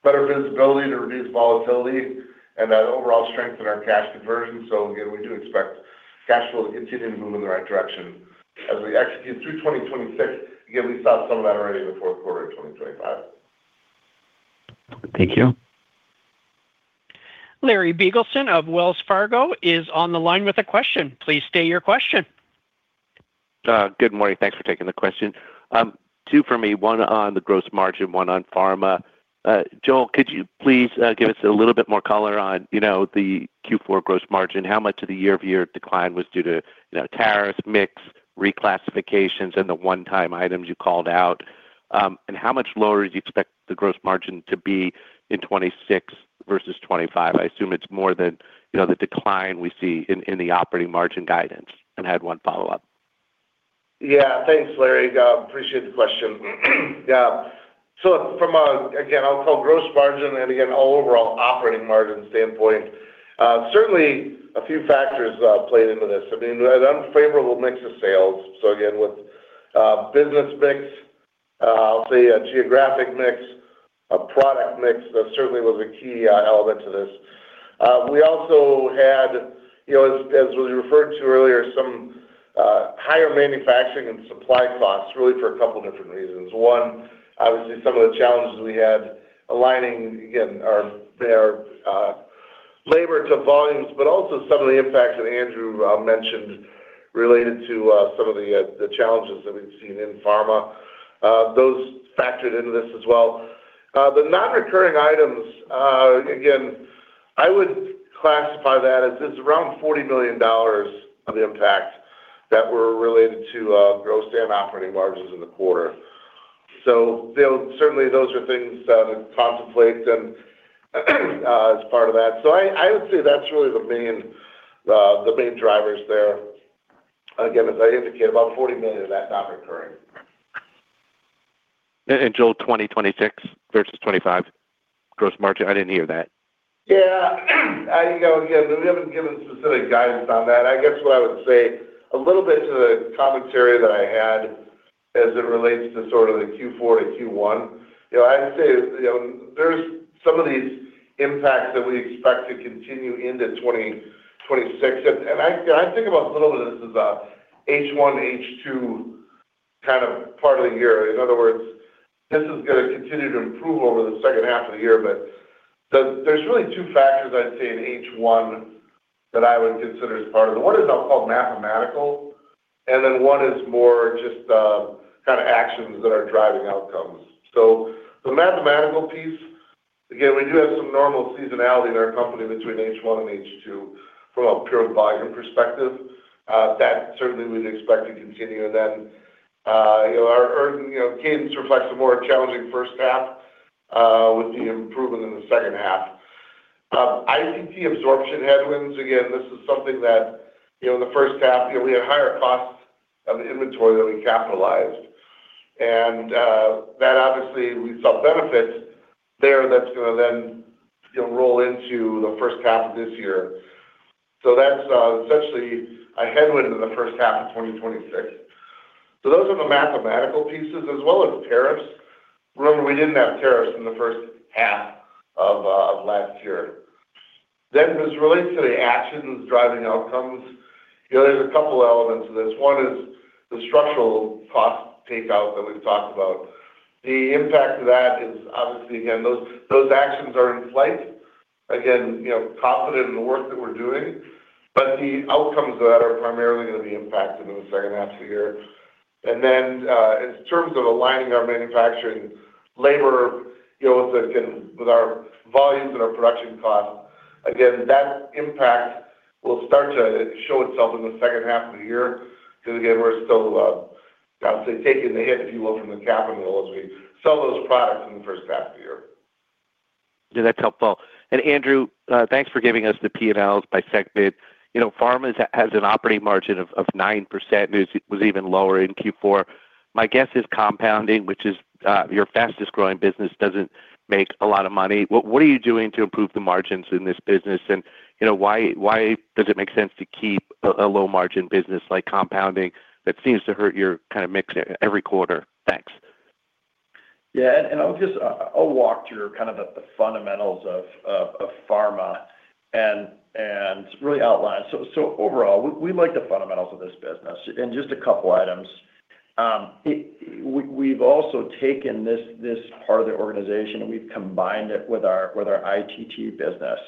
D: better visibility to reduce volatility, and that overall strength in our cash conversion. So again, we do expect cash flow to continue to move in the right direction as we execute through 2026. Again, we saw some of that already in the fourth quarter of 2025.
G: Thank you.
A: Larry Biegelsen of Wells Fargo is on the line with a question. Please state your question.
H: Good morning. Thanks for taking the question. Two for me, one on the gross margin, one on Pharma. Joel, could you please give us a little bit more color on, you know, the Q4 gross margin? How much of the year-over-year decline was due to, you know, tariffs, mix, reclassifications, and the one-time items you called out? And how much lower do you expect the gross margin to be in 2026 versus 2025? I assume it's more than, you know, the decline we see in the operating margin guidance. I had one follow-up.
D: Yeah. Thanks, Larry. Appreciate the question. Yeah. So from a, again, I'll call gross margin, and again, overall operating margin standpoint, certainly a few factors played into this. I mean, the unfavorable mix of sales. So again, with business mix, I'll say a geographic mix, a product mix, that certainly was a key element to this. We also had, you know, as we referred to earlier, some higher manufacturing and supply costs, really for a couple different reasons. One, obviously, some of the challenges we had aligning, again, our, their labor to volumes, but also some of the impacts that Andrew mentioned related to some of the challenges that we've seen in Pharma. Those factored into this as well. The non-recurring items, again, I would classify that as it's around $40 million of the impact that were related to gross and operating margins in the quarter. So they'll certainly those are things to contemplate and as part of that. So I, I would say that's really the main drivers there. Again, as I indicated, about $40 million of that, non-recurring.
H: Joel, 2026 versus 2025 gross margin, I didn't hear that.
D: Yeah. You know, again, we haven't given specific guidance on that. I guess what I would say a little bit to the commentary that I had as it relates to sort of the Q4 to Q1, you know, I'd say, you know, there's some of these impacts that we expect to continue into 2026. And I think about a little bit of this as a H1, H2 kind of part of the year. In other words, this is going to continue to improve over the second half of the year. But there's really two factors I'd say in H1 that I would consider as part of it. One is I'll call mathematical, and then one is more just kind of actions that are driving outcomes. So the mathematical piece, again, we do have some normal seasonality in our company between H1 and H2 from a pure volume perspective. That certainly we'd expect to continue. And then, you know, our earnings, you know, gains reflect a more challenging first half, with the improvement in the second half. ITT absorption headwinds, again, this is something that, you know, in the first half, you know, we had higher costs of inventory than we capitalized. And, that obviously we saw benefits there that's going to then roll into the first half of this year. So that's, essentially a headwind in the first half of 2026. So those are the mathematical pieces, as well as tariffs. Remember, we didn't have tariffs in the first half of last year. Then as it relates to the actions driving outcomes, you know, there's a couple elements to this. One is the structural cost takeout that we've talked about. The impact of that is obviously, again, those, those actions are in flight. Again, you know, confident in the work that we're doing, but the outcomes of that are primarily going to be impacted in the second half of the year. And then, in terms of aligning our manufacturing labor, you know, with, with our volumes and our production costs, again, that impact will start to show itself in the second half of the year. Because, again, we're still, I would say, taking the hit, if you will, from the capital as we sell those products in the first half of the year.
H: Yeah, that's helpful. And Andrew, thanks for giving us the P&Ls by segment. You know, Pharma has an operating margin of, of 9%. It was even lower in Q4. My guess is Compounding, which is your fastest-growing business, doesn't make a lot of money. What, what are you doing to improve the margins in this business? And, you know, why, why does it make sense to keep a, a low-margin business like Compounding that seems to hurt your kind of mix every quarter? Thanks.
C: Yeah, and I'll just walk through kind of the fundamentals of Pharma and really outline. So overall, we like the fundamentals of this business. And just a couple items. We've also taken this part of the organization, and we've combined it with our ITT business.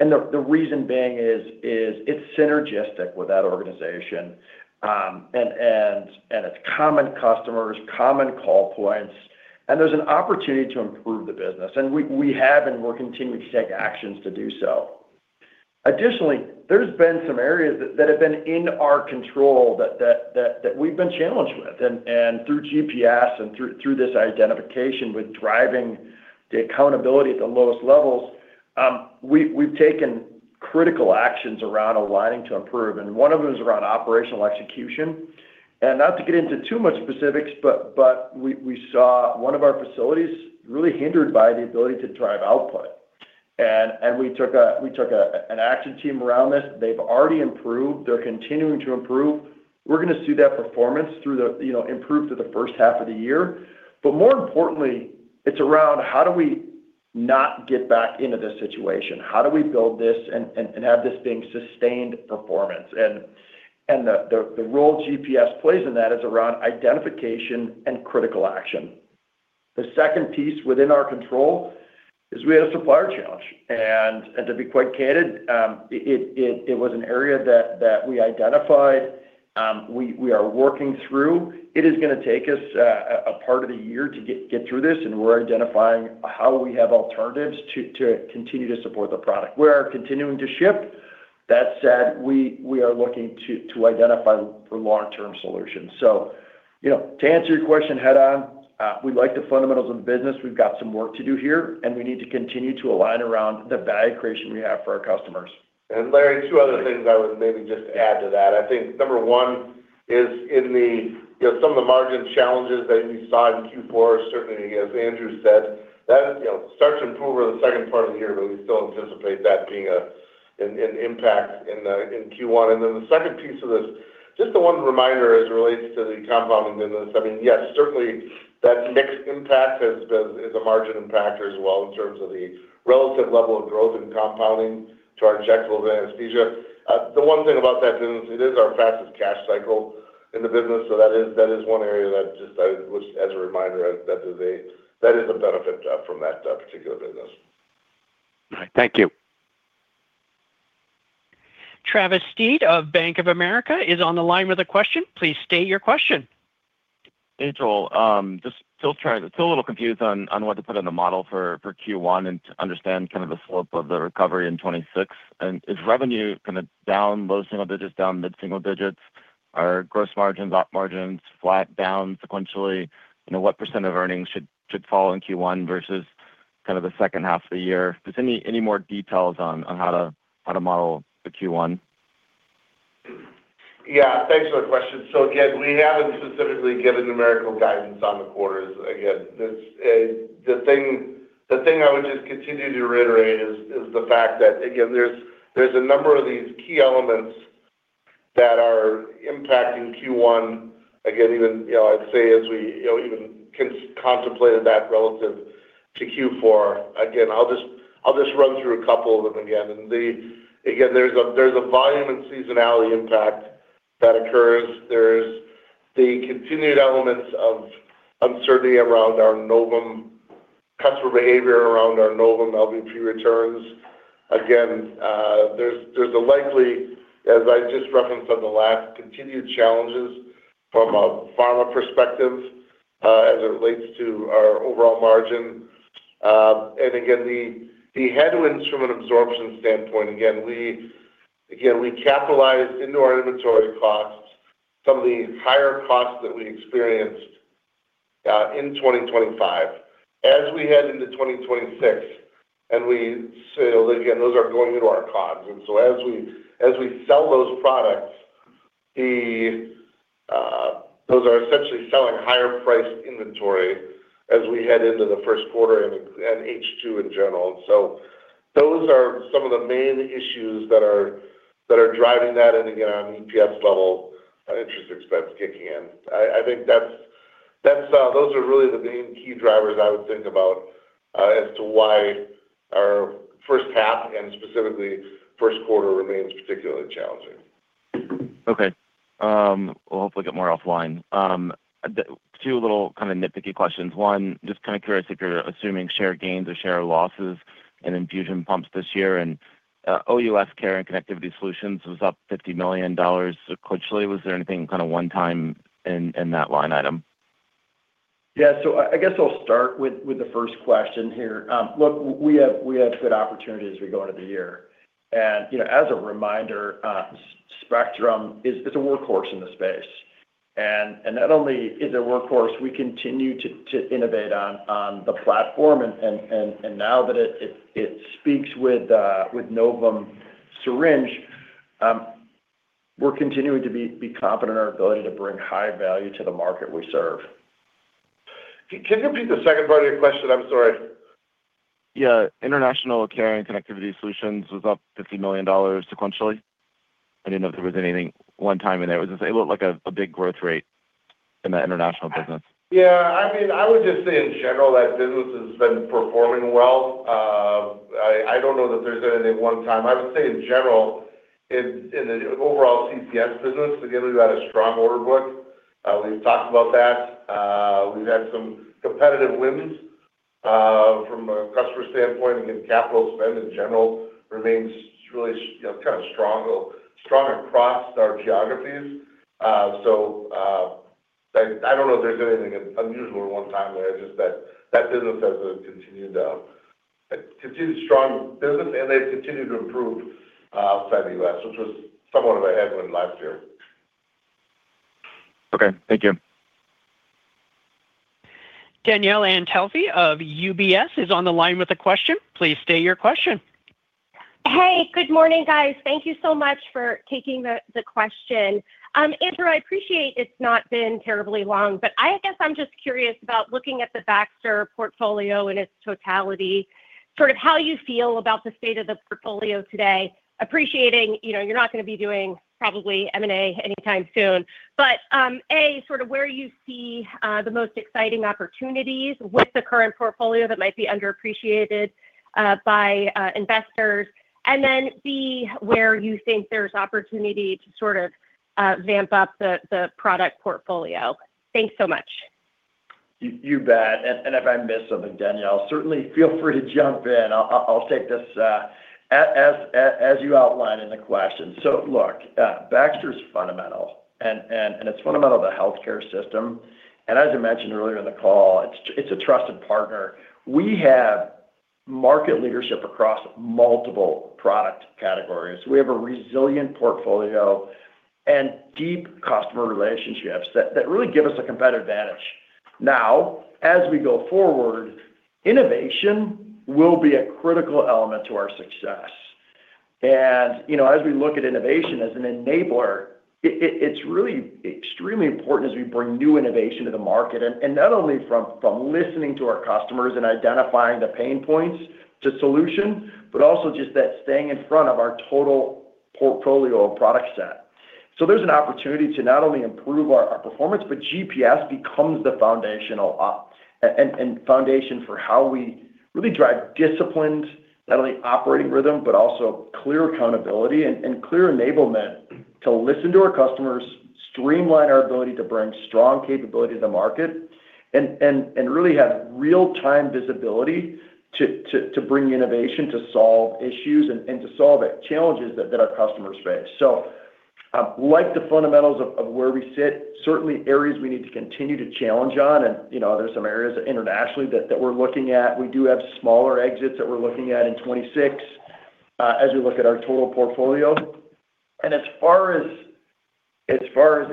C: And the reason being is it's synergistic with that organization, and it's common customers, common call points, and there's an opportunity to improve the business, and we have, and we're continuing to take actions to do so. Additionally, there's been some areas that have been in our control that we've been challenged with. Through GPS and through this identification with driving the accountability at the lowest levels, we've taken critical actions around aligning to improve, and one of them is around operational execution. Not to get into too much specifics, but we saw one of our facilities really hindered by the ability to drive output. We took an action team around this. They've already improved. They're continuing to improve. We're going to see that performance through the... you know, improve through the first half of the year. But more importantly, it's around how do we not get back into this situation? How do we build this and have this being sustained performance? The role GPS plays in that is around identification and critical action. The second piece within our control is we had a supplier challenge, and to be quite candid, it was an area that we identified, we are working through. It is going to take us a part of the year to get through this, and we're identifying how we have alternatives to continue to support the product. We are continuing to ship. That said, we are looking to identify for long-term solutions. So, you know, to answer your question head-on, we like the fundamentals of the business. We've got some work to do here, and we need to continue to align around the value creation we have for our customers.
D: And Larry, two other things I would maybe just add to that. I think number one is in the, you know, some of the margin challenges that we saw in Q4, certainly, as Andrew said, that, you know, starts to improve over the second part of the year, but we still anticipate that being an impact in Q1. And then the second piece of this, just the one reminder as it relates to the Compounding business. I mean, yes, certainly that mix impact has been, is a margin impactor as well in terms of the relative level of growth in Compounding to our injectable anesthesia. The one thing about that business, it is our fastest cash cycle in the business, so that is one area that just I would—as a reminder, that is a benefit from that particular business.
H: All right. Thank you.
A: Travis Steed of Bank of America is on the line with a question. Please state your question.
I: Thanks, Joel. Still a little confused on what to put in the model for Q1 and to understand kind of the slope of the recovery in 2026. And is revenue kind of down low single digits, down mid-single digits? Are gross margins, op margins, flat down sequentially? You know, what % of earnings should fall in Q1 versus kind of the second half of the year? Just any more details on how to model the Q1?
D: Yeah. Thanks for the question. So again, we haven't specifically given numerical guidance on the quarters. Again, this, the thing I would just continue to reiterate is the fact that, again, there's a number of these key elements that are impacting Q1. Again, even, you know, I'd say as we, you know, even contemplated that relative to Q4. Again, I'll just run through a couple of them again. And again, there's a volume and seasonality impact that occurs. There's the continued elements of uncertainty around our Novum customer behavior, around our Novum LVP returns. Again, there's a likely, as I just referenced on the last, continued challenges from a Pharma perspective, as it relates to our overall margin. And again, the headwinds from an absorption standpoint, again, we capitalized into our inventory costs, some of the higher costs that we experienced in 2025. As we head into 2026, and we sell, again, those are going into our COGS. And so as we sell those products, those are essentially selling higher-priced inventory as we head into the first quarter and H2 in general. So those are some of the main issues that are driving that, and again, on an EPS level, interest expense kicking in. I think that's those are really the main key drivers I would think about, as to why our first half and specifically first quarter remains particularly challenging.
I: Okay. We'll hopefully get more offline. Two little kind of nitpicky questions. One, just kind of curious if you're assuming share gains or share losses in infusion pumps this year, and OUS Care and Connectivity Solutions was up $50 million sequentially. Was there anything kind of one time in that line item?
D: Yeah. So I guess I'll start with the first question here. Look, we have good opportunity as we go into the year. And, you know, as a reminder, Spectrum is, it's a workhorse in the space. And not only is it a workhorse, we continue to innovate on the platform, and now that it speaks with Novum syringe, we're continuing to be confident in our ability to bring high value to the market we serve. Can you repeat the second part of your question? I'm sorry.
I: Yeah. International Care and Connectivity Solutions was up $50 million sequentially. I didn't know if there was anything one time in there. It was just, it looked like a big growth rate in the international business.
D: Yeah, I mean, I would just say in general, that business has been performing well. I don't know that there's anything one time. I would say in general, in the overall CCS business, again, we've got a strong order book. We've talked about that. We've had some competitive wins from a customer standpoint, and capital spend in general remains really, you know, kind of strong, strong across our geographies. So, I don't know if there's anything unusual or one time there, just that that business has continued continued strong business, and they've continued to improve outside the U.S., which was somewhat of a headwind last year.
I: Okay. Thank you.
A: Danielle Antalffy of UBS is on the line with a question. Please state your question.
J: Hey, good morning, guys. Thank you so much for taking the question. Andrew, I appreciate it's not been terribly long, but I guess I'm just curious about looking at the Baxter portfolio in its totality, sort of how you feel about the state of the portfolio today, appreciating, you know, you're not going to be doing probably M&A anytime soon. But, A, sort of where you see the most exciting opportunities with the current portfolio that might be underappreciated by investors, and then, B, where you think there's opportunity to sort of ramp up the product portfolio. Thanks so much.
C: You bet. If I miss something, Danielle, certainly feel free to jump in. I'll take this as you outlined in the question. So look, Baxter's fundamental, and it's fundamental to the healthcare system. As I mentioned earlier in the call, it's a trusted partner. We have market leadership across multiple product categories. We have a resilient portfolio and deep customer relationships that really give us a competitive advantage. Now, as we go forward, innovation will be a critical element to our success. You know, as we look at innovation as an enabler, it's really extremely important as we bring new innovation to the market, and not only from listening to our customers and identifying the pain points to solution, but also just that staying in front of our total portfolio of product set. So there's an opportunity to not only improve our performance, but GPS becomes the foundational foundation for how we really drive disciplined not only operating rhythm, but also clear accountability and clear enablement to listen to our customers, streamline our ability to bring strong capability to the market, and really have real-time visibility to bring innovation, to solve issues, and to solve challenges that our customers face. So, like the fundamentals of where we sit, certainly areas we need to continue to challenge on. And, you know, there are some areas internationally that we're looking at. We do have smaller exits that we're looking at in 2026, as we look at our total portfolio. And as far as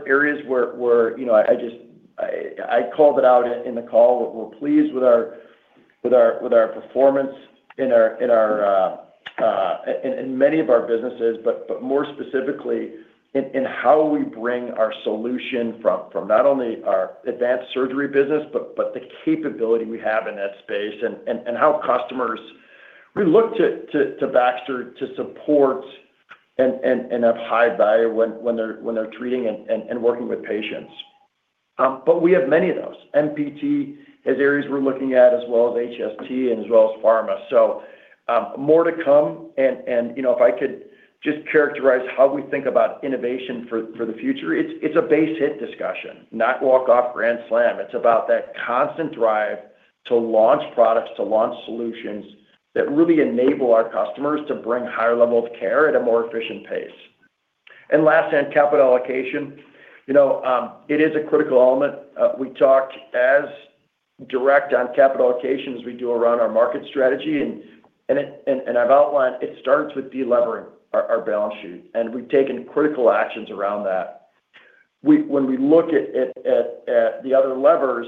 C: areas where, you know, I just called it out in the call, we're pleased with our performance in many of our businesses, but more specifically in how we bring our solution from not only our Advanced Surgery business, but the capability we have in that space and how customers-... We look to Baxter to support and have high value when they're treating and working with patients. But we have many of those. MPT has areas we're looking at, as well as HST and as well as Pharma. So, more to come, and, you know, if I could just characterize how we think about innovation for the future, it's a base hit discussion, not walk-off grand slam. It's about that constant drive to launch products, to launch solutions that really enable our customers to bring higher level of care at a more efficient pace. And last, on capital allocation, you know, it is a critical element. We talked as direct on capital allocation as we do around our market strategy, and I've outlined, it starts with delevering our balance sheet, and we've taken critical actions around that. When we look at the other levers,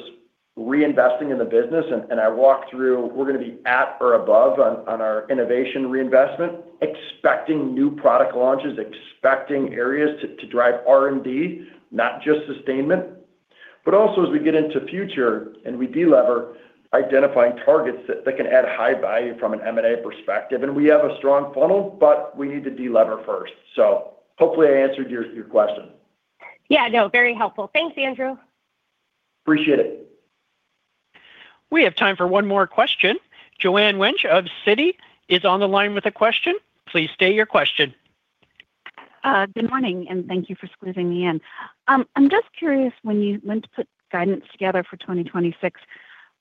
C: reinvesting in the business, and I walked through, we're gonna be at or above on our innovation reinvestment, expecting new product launches, expecting areas to drive R&D, not just sustainment, but also as we get into future and we delever, identifying targets that can add high value from an M&A perspective. And we have a strong funnel, but we need to delever first. So hopefully I answered your question.
J: Yeah, no, very helpful. Thanks, Andrew.
C: Appreciate it.
A: We have time for one more question. Joanne Wuensch of Citi is on the line with a question. Please state your question.
K: Good morning, and thank you for squeezing me in. I'm just curious, when you went to put guidance together for 2026,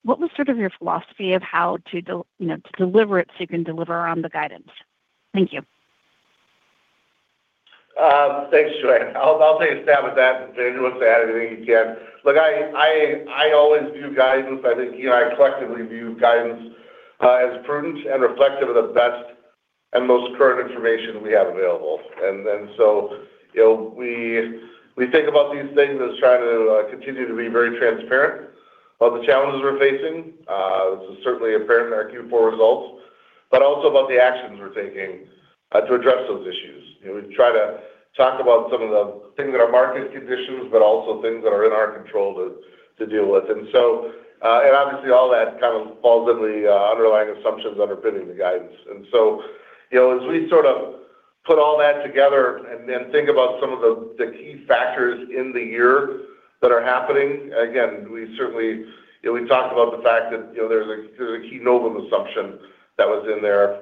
K: what was sort of your philosophy of how to, you know, to deliver it so you can deliver on the guidance? Thank you.
D: Thanks, Joanne. I'll take a stab at that, and Andrew can add anything he can. Look, I always view guidance, I think, you and I collectively view guidance as prudent and reflective of the best and most current information we have available. And then so, you know, we think about these things as trying to continue to be very transparent about the challenges we're facing, which is certainly apparent in our Q4 results, but also about the actions we're taking to address those issues. You know, we try to talk about some of the things that are market conditions, but also things that are in our control to deal with. And so, and obviously, all that kind of falls in the underlying assumptions underpinning the guidance. And so, you know, as we sort of put all that together and then think about some of the key factors in the year that are happening, again, we certainly—we've talked about the fact that, you know, there's a key Novum assumption that was in there.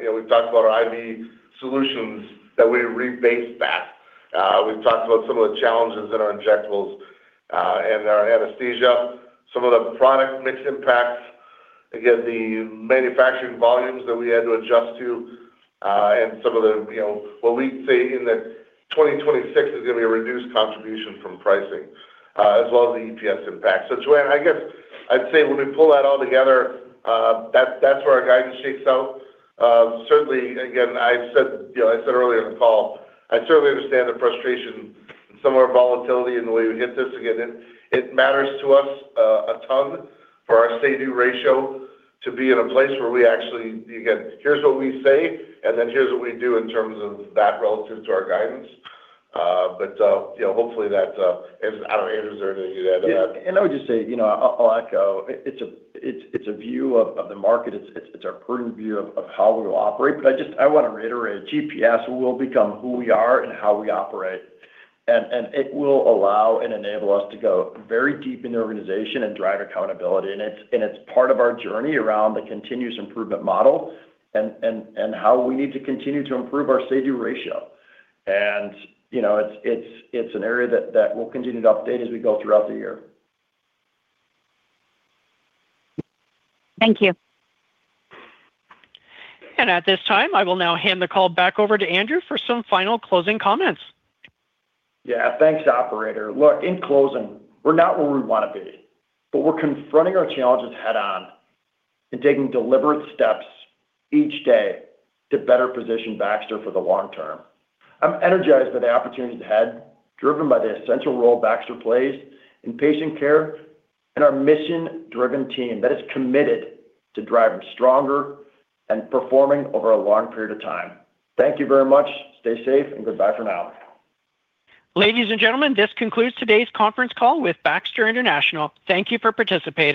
D: You know, we've talked about our IV solutions, that we rebased that. We've talked about some of the challenges in our injectables and our anesthesia, some of the product mix impacts, again, the manufacturing volumes that we had to adjust to and some of the, you know, what we say in the 2026 is gonna be a reduced contribution from pricing, as well as the EPS impact. So Joanne, I guess I'd say when we pull that all together, that's where our guidance shakes out. Certainly, again, I've said, you know, I said earlier in the call, I certainly understand the frustration and some of our volatility in the way we hit this. Again, it matters to us a ton for our Say-Do Ratio to be in a place where we actually, again, here's what we say, and then here's what we do in terms of that relative to our guidance. But you know, hopefully that, and I don't know, Andrew, is there anything you'd add to that?
C: Yeah, and I would just say, you know, I'll echo. It's a view of the market. It's our prudent view of how we will operate, but I just want to reiterate, GPS will become who we are and how we operate. And it will allow and enable us to go very deep in the organization and drive accountability. And it's part of our journey around the continuous improvement model and how we need to continue to improve our Say-Do Ratio. And, you know, it's an area that we'll continue to update as we go throughout the year.
K: Thank you.
A: At this time, I will now hand the call back over to Andrew for some final closing comments.
C: Yeah, thanks, operator. Look, in closing, we're not where we want to be, but we're confronting our challenges head-on and taking deliberate steps each day to better position Baxter for the long term. I'm energized by the opportunities ahead, driven by the essential role Baxter plays in patient care and our mission-driven team that is committed to driving stronger and performing over a long period of time. Thank you very much. Stay safe and goodbye for now.
A: Ladies and gentlemen, this concludes today's conference call with Baxter International. Thank you for participating.